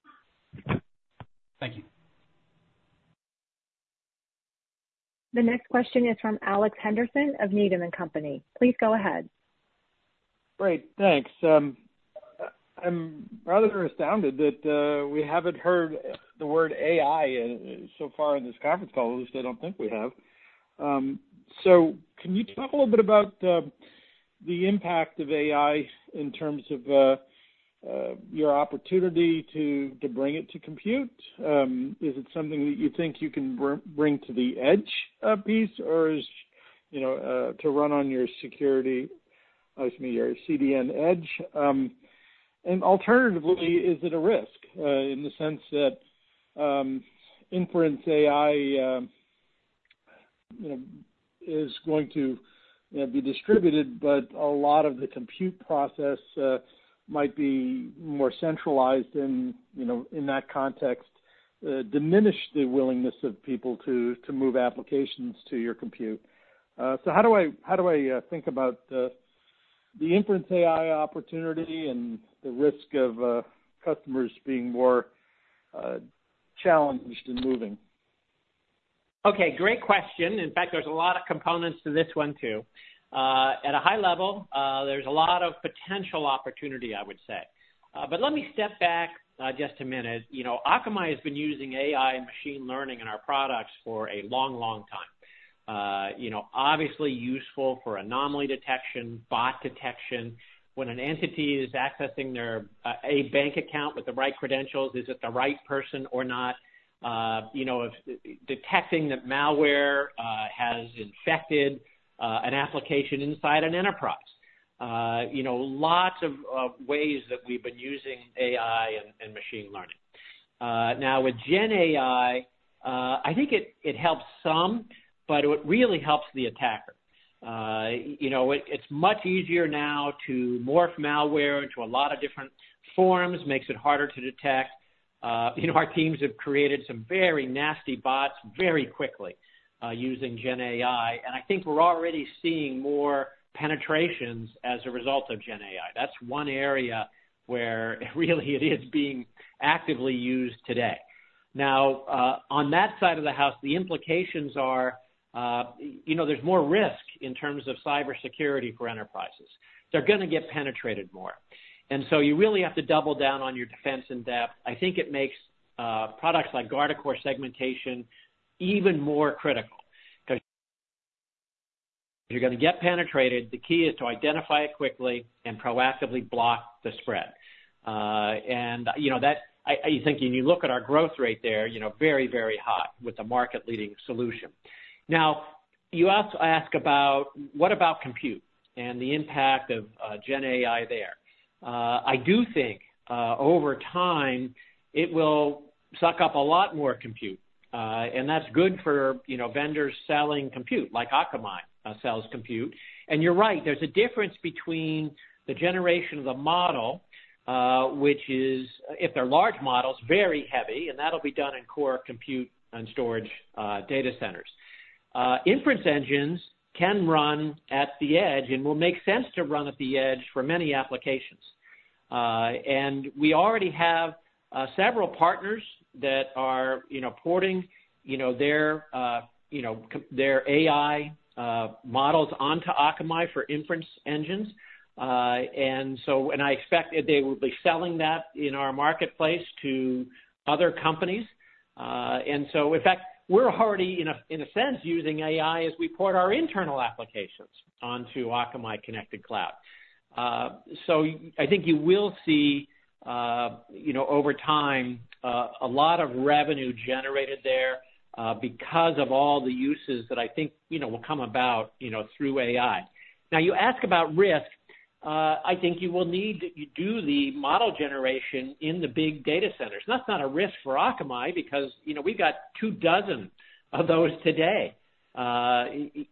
Thank you. The next question is from Alex Henderson of Needham and Company. Please go ahead. Great. Thanks. I'm rather astounded that we haven't heard the word AI so far in this conference call. At least I don't think we have. So can you talk a little bit about the impact of AI in terms of your opportunity to bring it to compute? Is it something that you think you can bring to the edge piece, or is, you know, to run on your security, excuse me, your CDN edge? And alternatively, is it a risk in the sense that inference AI, you know, is going to be distributed, but a lot of the compute process might be more centralized and, you know, in that context, diminish the willingness of people to move applications to your compute? So how do I think about the inference AI opportunity and the risk of customers being more challenged in moving? Okay, great question. In fact, there's a lot of components to this one, too. At a high level, there's a lot of potential opportunity, I would say. But let me step back, just a minute. You know, Akamai has been using AI and machine learning in our products for a long, long time. You know, obviously useful for anomaly detection, bot detection. When an entity is accessing their, a bank account with the right credentials, is it the right person or not? You know, if detecting that malware has infected, an application inside an enterprise. You know, lots of ways that we've been using AI and machine learning. Now, with Gen AI, I think it helps some, but it really helps the attacker. You know, it, it's much easier now to morph malware into a lot of different forms, makes it harder to detect. You know, our teams have created some very nasty bots very quickly, using Gen AI, and I think we're already seeing more penetrations as a result of Gen AI. That's one area where really it is being actively used today. Now, on that side of the house, the implications are, you know, there's more risk in terms of cybersecurity for enterprises. They're gonna get penetrated more, and so you really have to double down on your defense in depth. I think it makes, products like Guardicore Segmentation even more critical, because you're gonna get penetrated, the key is to identify it quickly and proactively block the spread. And, you know, that I think when you look at our growth rate there, you know, very, very high with a market-leading solution. Now, you also ask about, what about compute and the impact of, Gen AI there? I do think, over time, it will suck up a lot more compute. and that's good for, you know, vendors selling compute, like Akamai, sells compute. And you're right, there's a difference between the generation of the model, which is, if they're large models, very heavy, and that'll be done in core compute and storage, data centers. inference engines can run at the edge and will make sense to run at the edge for many applications. And we already have several partners that are, you know, porting, you know, their, you know, their AI models onto Akamai for inference engines. And so, and I expect that they will be selling that in our marketplace to other companies. And so in fact, we're already in a, in a sense, using AI as we port our internal applications onto Akamai Connected Cloud. So I think you will see, you know, over time, a lot of revenue generated there, because of all the uses that I think, you know, will come about, you know, through AI. Now, you ask about risk. I think you will need to do the model generation in the big data centers, and that's not a risk for Akamai because, you know, we've got 24 of those today.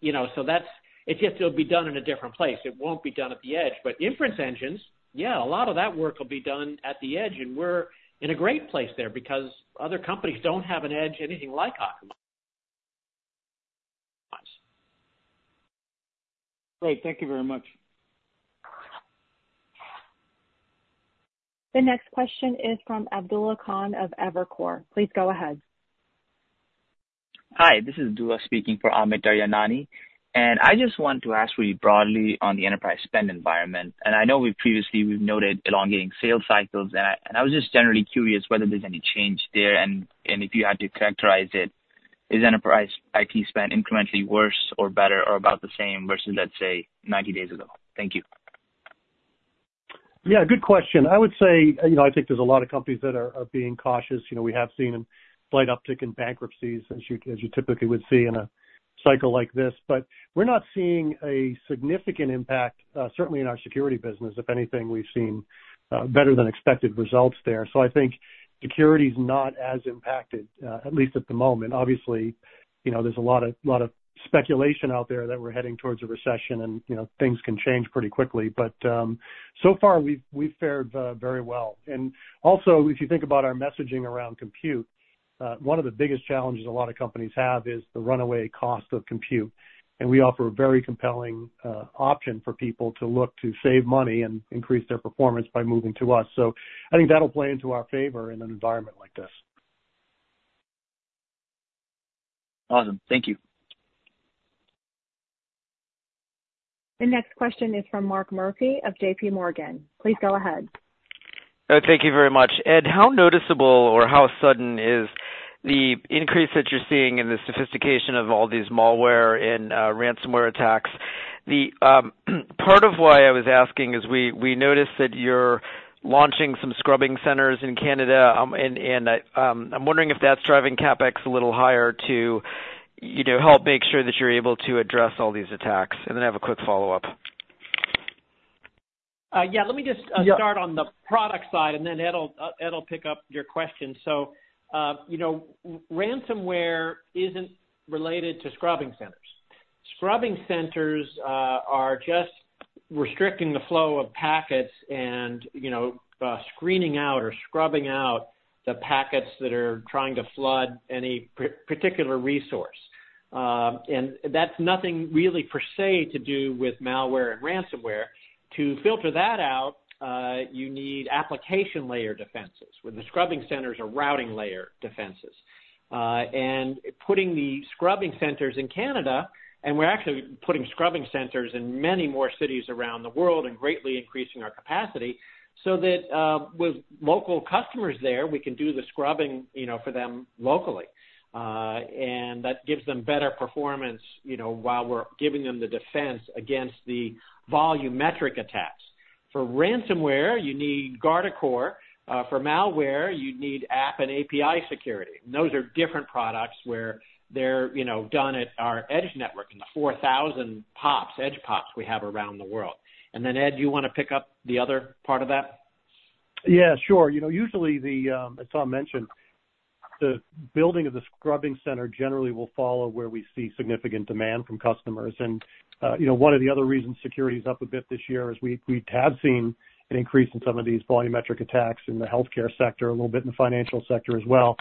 You know, so that's, it's just, it'll be done in a different place. It won't be done at the edge, but inference engines, yeah, a lot of that work will be done at the edge, and we're in a great place there because other companies don't have an edge anything like Akamai. Great. Thank you very much. The next question is from Abdullah Khan of Evercore. Please go ahead. Hi, this is Abdullah speaking for Ahmed Ryanani, and I just want to ask really broadly on the enterprise spend environment, and I know we've previously noted elongating sales cycles, and I was just generally curious whether there's any change there, and if you had to characterize it, is enterprise IT spend incrementally worse or better or about the same versus, let's say, 90 days ago? Thank you. Yeah, good question. I would say, you know, I think there's a lot of companies that are, are being cautious. You know, we have seen a slight uptick in bankruptcies as you, as you typically would see in a cycle like this. But we're not seeing a significant impact, certainly in our security business. If anything, we've seen better than expected results there. So I think security's not as impacted, at least at the moment. Obviously, you know, there's a lot of, lot of speculation out there that we're heading towards a recession and, you know, things can change pretty quickly, but, so far we've, we've fared very well. And also, if you think about our messaging around compute, one of the biggest challenges a lot of companies have is the runaway cost of compute, and we offer a very compelling, option for people to look to save money and increase their performance by moving to us. So I think that'll play into our favor in an environment like this. Awesome. Thank you. The next question is from Mark Murphy of JPMorgan. Please go ahead. Thank you very much. Ed, how noticeable or how sudden is the increase that you're seeing in the sophistication of all these malware and ransomware attacks? The part of why I was asking is we noticed that you're launching some scrubbing centers in Canada, and I'm wondering if that's driving CapEx a little higher to, you know, help make sure that you're able to address all these attacks. And then I have a quick follow-up. Yeah, let me just, Yeah. Start on the product side, and then Ed'll pick up your question. You know, ransomware isn't related to scrubbing centers. Scrubbing centers are just restricting the flow of packets and, you know, screening out or scrubbing out the packets that are trying to flood any particular resource. And that's nothing really per se to do with malware and ransomware. To filter that out, you need application layer defenses, where the scrubbing centers are routing layer defenses. And putting the scrubbing centers in Canada, and we're actually putting scrubbing centers in many more cities around the world and greatly increasing our capacity, so that with local customers there, we can do the scrubbing, you know, for them locally. And that gives them better performance, you know, while we're giving them the defense against the volumetric attacks. For ransomware, you need Guardicore. For malware, you need app and API security. Those are different products where they're, you know, done at our edge network in the 4,000 POPs, edge POPs we have around the world. And then, Ed, do you want to pick up the other part of that? Yeah, sure. You know, usually the, as Tom mentioned, the building of the scrubbing center generally will follow where we see significant demand from customers. And, you know, one of the other reasons security is up a bit this year is we, we have seen an increase in some of these volumetric attacks in the healthcare sector, a little bit in the financial sector as well.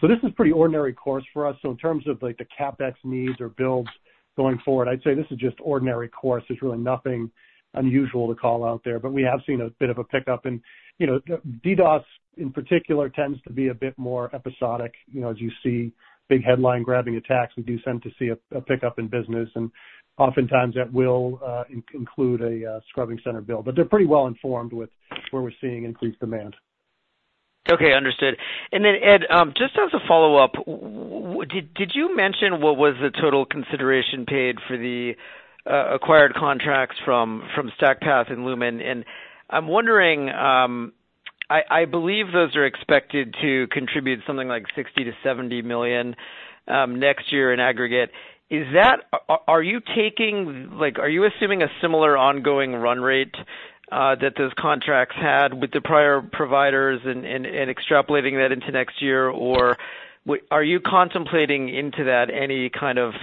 So this is pretty ordinary course for us. So in terms of like the CapEx needs or builds going forward, I'd say this is just ordinary course. There's really nothing unusual to call out there, but we have seen a bit of a pickup. And, you know, DDoS in particular tends to be a bit more episodic. You know, as you see big headline-grabbing attacks, we do tend to see a pickup in business, and oftentimes that will include a scrubbing center build, but they're pretty well informed with where we're seeing increased demand. Okay, understood. And then, Ed, just as a follow-up, did you mention what was the total consideration paid for the acquired contracts from StackPath and Lumen? And I'm wondering, I believe those are expected to contribute something like $60 million-$70 million next year in aggregate. Is that—are you taking, like, are you assuming a similar ongoing run rate that those contracts had with the prior providers and extrapolating that into next year? Or are you contemplating into that any kind of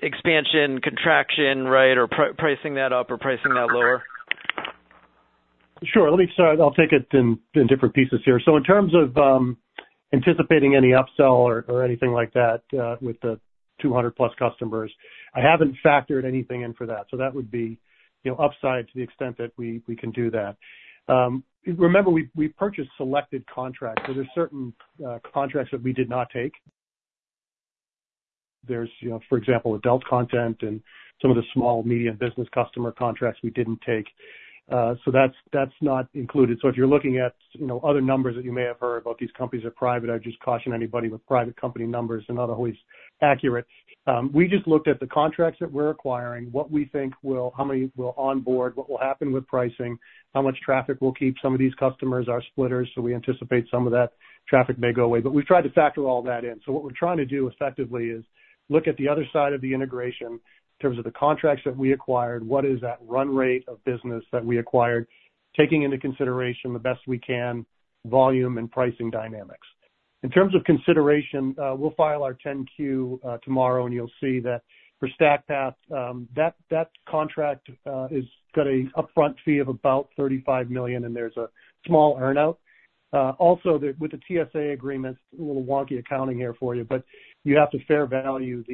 expansion, contraction, right, or pricing that up or pricing that lower? Sure. Let me start. I'll take it in different pieces here. So in terms of anticipating any upsell or anything like that with the 200+ customers, I haven't factored anything in for that. So that would be, you know, upside to the extent that we can do that. Remember, we purchased selected contracts, so there's certain contracts that we did not take. There's, you know, for example, adult content and some of the small, medium business customer contracts we didn't take. So that's not included. So if you're looking at, you know, other numbers that you may have heard about, these companies are private, I'd just caution anybody with private company numbers are not always accurate. We just looked at the contracts that we're acquiring, what we think will, how many will onboard, what will happen with pricing, how much traffic we'll keep. Some of these customers are splitters, so we anticipate some of that traffic may go away, but we've tried to factor all that in. So what we're trying to do effectively is look at the other side of the integration in terms of the contracts that we acquired, what is that run rate of business that we acquired, taking into consideration the best we can, volume and pricing dynamics. In terms of consideration, we'll file our 10-Q tomorrow, and you'll see that for StackPath, that contract has got a upfront fee of about $35 million, and there's a small earn-out. Also the, with the TSA agreements, a little wonky accounting here for you, but you have to fair value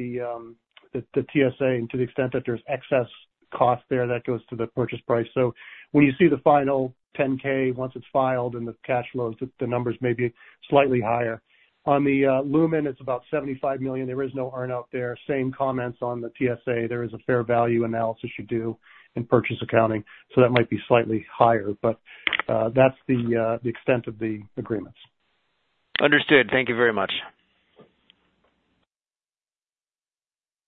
the TSA, and to the extent that there's excess cost there, that goes to the purchase price. So when you see the final 10-K, once it's filed and the cash flows, the numbers may be slightly higher. On the Lumen, it's about $75 million. There is no earn-out there. Same comments on the TSA. There is a fair value analysis you do in purchase accounting, so that might be slightly higher, but that's the extent of the agreements. Understood. Thank you very much.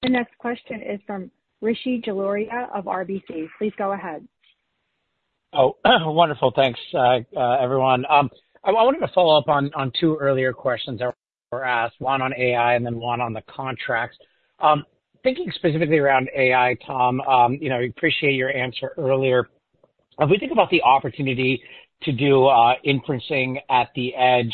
The next question is from Rishi Jaluria of RBC. Please go ahead. Oh, wonderful. Thanks, everyone. I wanted to follow up on two earlier questions that were asked, one on AI and then one on the contracts. Thinking specifically around AI, Tom, you know, I appreciate your answer earlier. If we think about the opportunity to do inferencing at the edge,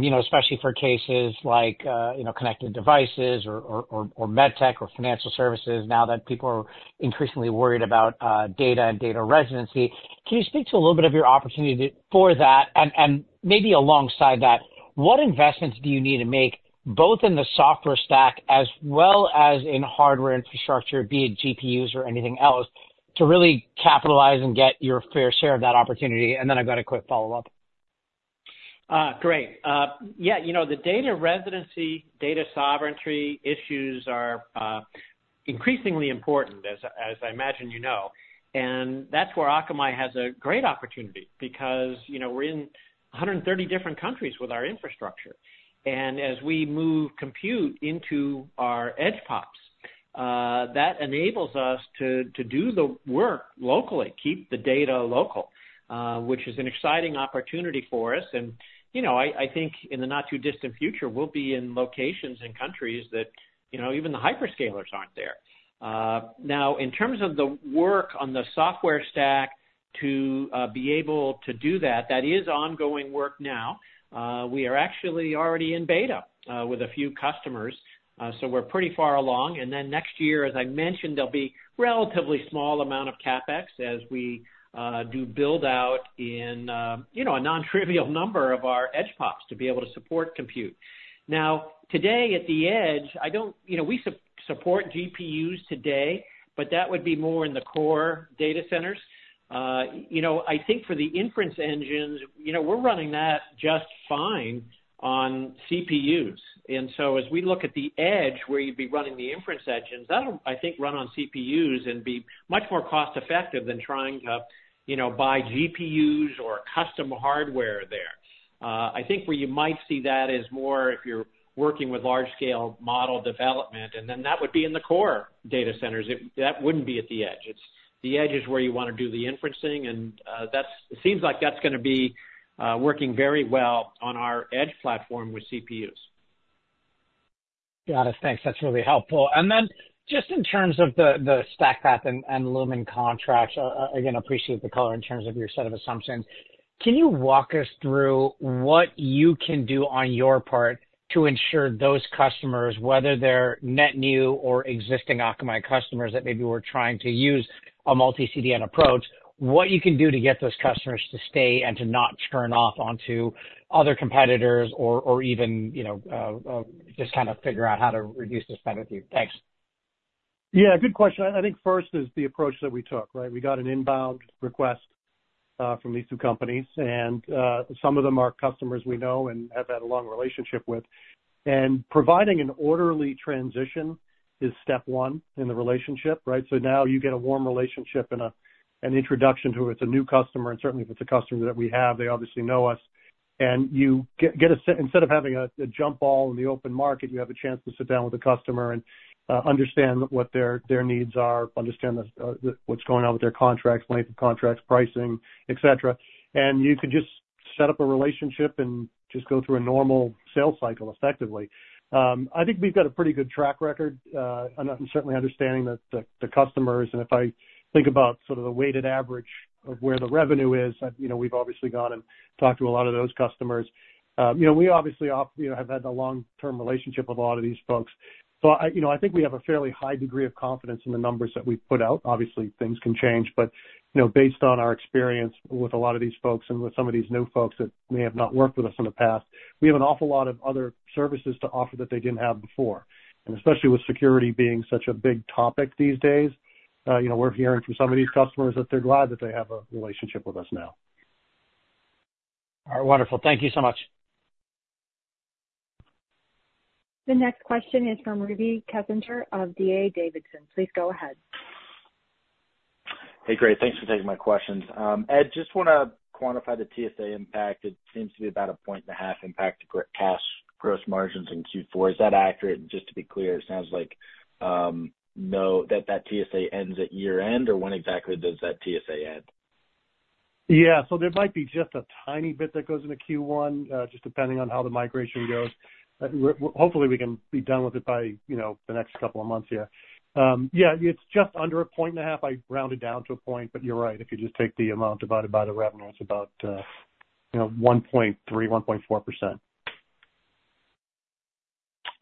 you know, especially for cases like you know, connected devices or med tech or financial services, now that people are increasingly worried about data and data residency, can you speak to a little bit of your opportunity for that? And maybe alongside that, what investments do you need to make, both in the software stack as well as in hardware infrastructure, be it GPUs or anything else, to really capitalize and get your fair share of that opportunity? And then I've got a quick follow-up. Great. Yeah, you know, the data residency, data sovereignty issues are increasingly important, as I imagine you know, and that's where Akamai has a great opportunity because, you know, we're in 130 different countries with our infrastructure. And as we move compute into our edge POPs, that enables us to do the work locally, keep the data local, which is an exciting opportunity for us. And, you know, I think in the not too distant future, we'll be in locations and countries that, you know, even the hyperscalers aren't there. Now, in terms of the work on the software stack to be able to do that, that is ongoing work now. We are actually already in beta with a few customers, so we're pretty far along. And then next year, as I mentioned, there'll be relatively small amount of CapEx as we do build out in, you know, a non-trivial number of our edge pops to be able to support compute. Now, today, at the edge, you know, we support GPUs today, but that would be more in the core data centers. You know, I think for the inference engines, you know, we're running that just fine on CPUs. And so as we look at the edge, where you'd be running the inference engines, that'll, I think, run on CPUs and be much more cost effective than trying to, you know, buy GPUs or custom hardware there. I think where you might see that is more if you're working with large scale model development, and then that would be in the core data centers. That wouldn't be at the edge. It's the edge is where you want to do the inferencing, and that's it seems like that's gonna be working very well on our edge platform with CPUs. Got it. Thanks. That's really helpful. And then just in terms of the StackPath and Lumen contracts, again, appreciate the color in terms of your set of assumptions. Can you walk us through what you can do on your part to ensure those customers, whether they're net new or existing Akamai customers, that maybe we're trying to use a multi-CDN approach, what you can do to get those customers to stay and to not churn off onto other competitors or even, you know, just kind of figure out how to reduce the spend with you? Thanks. Yeah, good question. I think first is the approach that we took, right? We got an inbound request from these two companies, and some of them are customers we know and have had a long relationship with. And providing an orderly transition is step one in the relationship, right? So now you get a warm relationship and an introduction to it. It's a new customer, and certainly if it's a customer that we have, they obviously know us... and you get a, instead of having a jump all in the open market, you have a chance to sit down with the customer and understand what their needs are, understand what's going on with their contracts, length of contracts, pricing, et cetera. And you can just set up a relationship and just go through a normal sales cycle effectively. I think we've got a pretty good track record on certainly understanding the customers. And if I think about sort of the weighted average of where the revenue is, you know, we've obviously gone and talked to a lot of those customers. You know, we obviously you know have had a long-term relationship with a lot of these folks. So I, you know, I think we have a fairly high degree of confidence in the numbers that we've put out. Obviously, things can change, but, you know, based on our experience with a lot of these folks and with some of these new folks that may have not worked with us in the past, we have an awful lot of other services to offer that they didn't have before. Especially with security being such a big topic these days, you know, we're hearing from some of these customers that they're glad that they have a relationship with us now. All right. Wonderful. Thank you so much. The next question is from Rudy Kessinger of D.A. Davidson. Please go ahead. Hey, great, thanks for taking my questions. Ed, just wanna quantify the TSA impact. It seems to be about a 1.5-point impact to cash gross margins in Q4. Is that accurate? Just to be clear, it sounds like, no, that TSA ends at year-end, or when exactly does that TSA end? Yeah. So there might be just a tiny bit that goes into Q1, just depending on how the migration goes. But hopefully, we can be done with it by, you know, the next couple of months here. Yeah, it's just under 1.5. I rounded down to 1, but you're right. If you just take the amount divided by the revenue, it's about, you know, 1.3%-1.4%.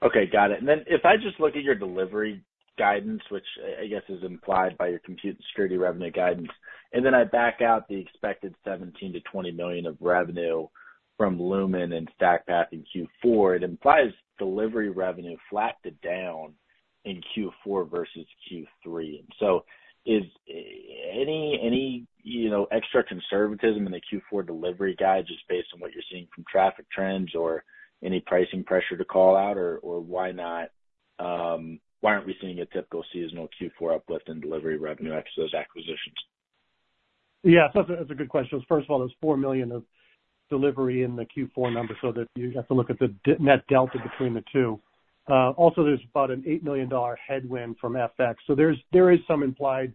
Okay, got it. And then if I just look at your delivery guidance, which I guess is implied by your compute security revenue guidance, and then I back out the expected $17 million-$20 million of revenue from Lumen and StackPath in Q4, it implies delivery revenue flat to down in Q4 versus Q3. So is any, you know, extra conservatism in the Q4 delivery guide just based on what you're seeing from traffic trends or any pricing pressure to call out, or why not, why aren't we seeing a typical seasonal Q4 uplift in delivery revenue ex those acquisitions? Yeah, so that's a good question. First of all, there's $4 million of delivery in the Q4 number, so that you have to look at the net delta between the two. Also, there's about an $8 million headwind from FX. So there's, there is some implied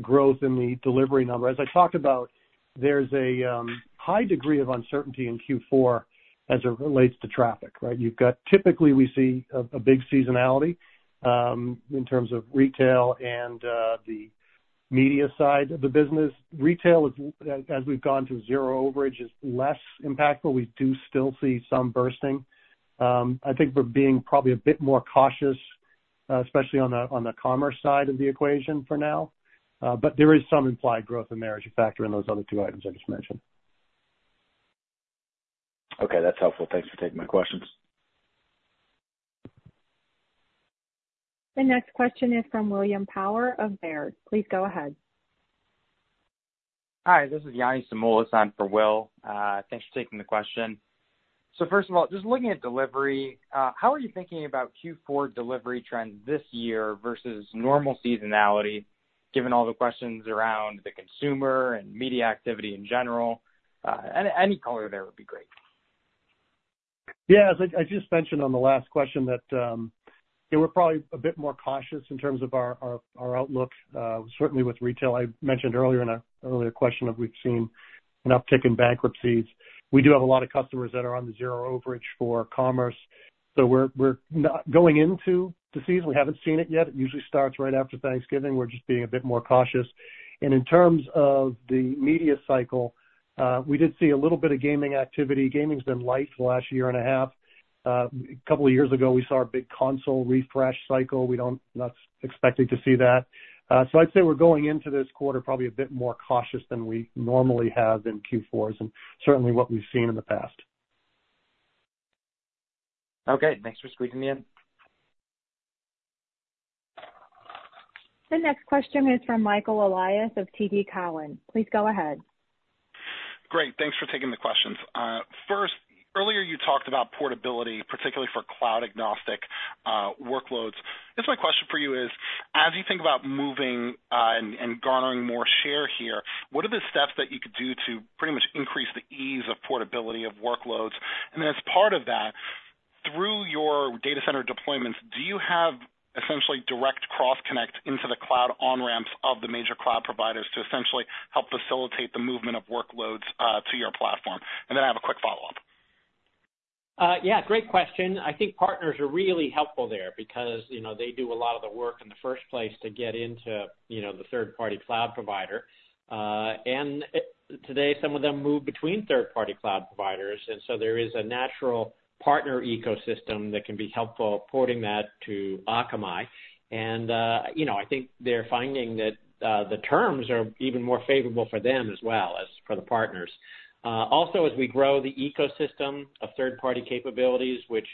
growth in the delivery number. As I talked about, there's a high degree of uncertainty in Q4 as it relates to traffic, right? You've got typically, we see a big seasonality in terms of retail and the media side of the business. Retail is, as we've gone through zero overage, is less impactful. We do still see some bursting. I think we're being probably a bit more cautious, especially on the commerce side of the equation for now. There is some implied growth in there as you factor in those other two items I just mentioned. Okay, that's helpful. Thanks for taking my questions. The next question is from William Power of Baird. Please go ahead. Hi, this is Yanni Samoilis on for Will. Thanks for taking the question. So first of all, just looking at delivery, how are you thinking about Q4 delivery trends this year versus normal seasonality, given all the questions around the consumer and media activity in general? Any color there would be great. Yeah, as I just mentioned on the last question that, yeah, we're probably a bit more cautious in terms of our outlook, certainly with retail. I mentioned earlier in an earlier question that we've seen an uptick in bankruptcies. We do have a lot of customers that are on the zero overage for commerce. So we're not going into the season, we haven't seen it yet. It usually starts right after Thanksgiving. We're just being a bit more cautious. And in terms of the media cycle, we did see a little bit of gaming activity. Gaming's been light for the last year and a half. A couple of years ago, we saw a big console refresh cycle. We're not expecting to see that. So I'd say we're going into this quarter probably a bit more cautious than we normally have in Q4s and certainly what we've seen in the past. Okay, thanks for squeezing me in. The next question is from Michael Elias of TD Cowen. Please go ahead. Great, thanks for taking the questions. First, earlier you talked about portability, particularly for cloud-agnostic workloads. I guess my question for you is, as you think about moving and garnering more share here, what are the steps that you could do to pretty much increase the ease of portability of workloads? And then as part of that, through your data center deployments, do you have essentially direct cross-connect into the cloud on-ramps of the major cloud providers to essentially help facilitate the movement of workloads to your platform? And then I have a quick follow-up. Yeah, great question. I think partners are really helpful there because, you know, they do a lot of the work in the first place to get into, you know, the third-party cloud provider. And today, some of them move between third-party cloud providers, and so there is a natural partner ecosystem that can be helpful porting that to Akamai. And, you know, I think they're finding that the terms are even more favorable for them as well as for the partners. Also, as we grow the ecosystem of third-party capabilities, which,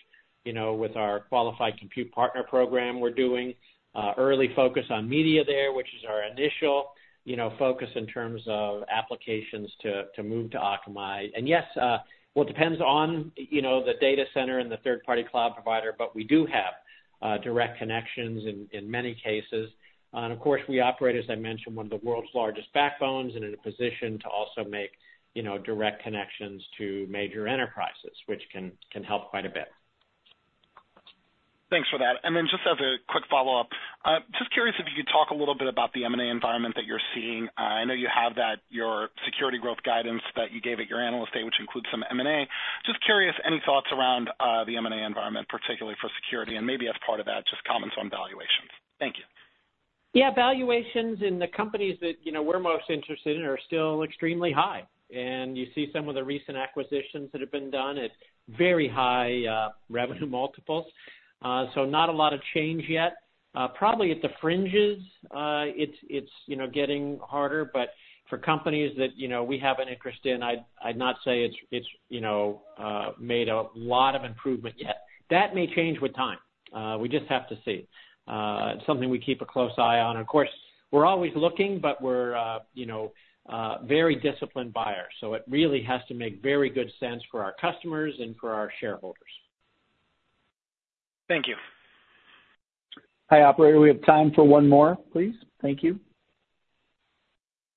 you know, with our qualified compute partner program, we're doing early focus on media there, which is our initial, you know, focus in terms of applications to move to Akamai. And yes, well, it depends on, you know, the data center and the third-party cloud provider, but we do have. Direct connections in many cases. And of course, we operate, as I mentioned, one of the world's largest backbones and in a position to also make, you know, direct connections to major enterprises, which can help quite a bit. Thanks for that. And then just as a quick follow-up, just curious if you could talk a little bit about the M&A environment that you're seeing. I know you have that, your security growth guidance that you gave at your Analyst Day, which includes some M&A. Just curious, any thoughts around, the M&A environment, particularly for security, and maybe as part of that, just comments on valuations? Thank you. Yeah, valuations in the companies that, you know, we're most interested in are still extremely high. You see some of the recent acquisitions that have been done at very high revenue multiples. So not a lot of change yet. Probably at the fringes, it's, you know, getting harder, but for companies that, you know, we have an interest in, I'd not say it's, you know, made a lot of improvement yet. That may change with time. We just have to see. It's something we keep a close eye on. Of course, we're always looking, but we're, you know, a very disciplined buyer, so it really has to make very good sense for our customers and for our shareholders. Thank you. Hi, operator. We have time for one more, please. Thank you.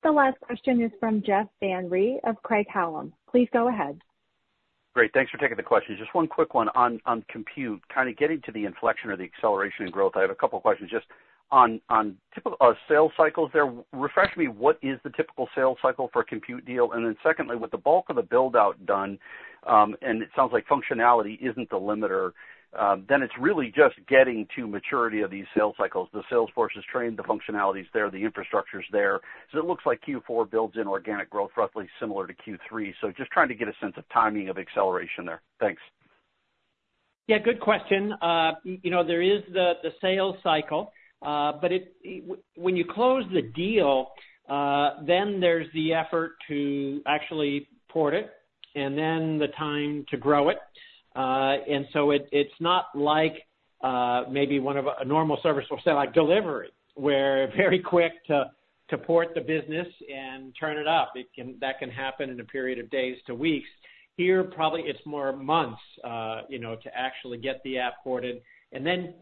The last question is from Jeff Van Rhee of Craig-Hallum. Please go ahead. Great, thanks for taking the question. Just one quick one on, on Compute. Kind of getting to the inflection or the acceleration in growth, I have a couple questions. Just on, on typical, sales cycles there, refresh me, what is the typical sales cycle for a Compute deal? And then secondly, with the bulk of the build-out done, and it sounds like functionality isn't the limiter, then it's really just getting to maturity of these sales cycles. The sales force is trained, the functionality is there, the infrastructure's there. So it looks like Q4 builds in organic growth, roughly similar to Q3. So just trying to get a sense of timing of acceleration there. Thanks. Yeah, good question. You know, there is the sales cycle, but when you close the deal, then there's the effort to actually port it and then the time to grow it. And so it, it's not like maybe one of a normal service will say, like delivery, where very quick to port the business and turn it up. That can happen in a period of days to weeks. Here, probably it's more months, you know, to actually get the app ported. And then,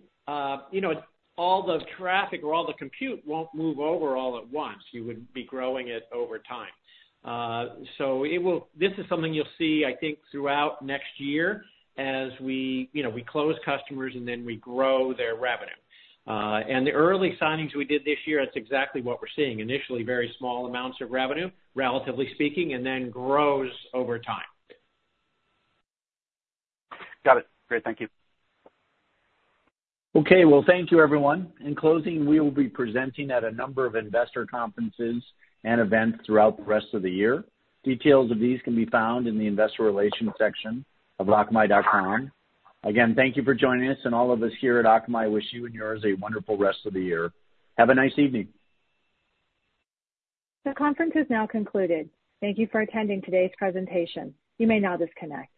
you know, all the traffic or all the compute won't move over all at once. You would be growing it over time. So it will... This is something you'll see, I think, throughout next year as we, you know, we close customers, and then we grow their revenue. The early signings we did this year, that's exactly what we're seeing. Initially, very small amounts of revenue, relatively speaking, and then grows over time. Got it. Great. Thank you. Okay. Well, thank you, everyone. In closing, we will be presenting at a number of investor conferences and events throughout the rest of the year. Details of these can be found in the Investor Relations section of Akamai.com. Again, thank you for joining us, and all of us here at Akamai wish you and yours a wonderful rest of the year. Have a nice evening! The conference is now concluded. Thank you for attending today's presentation. You may now disconnect.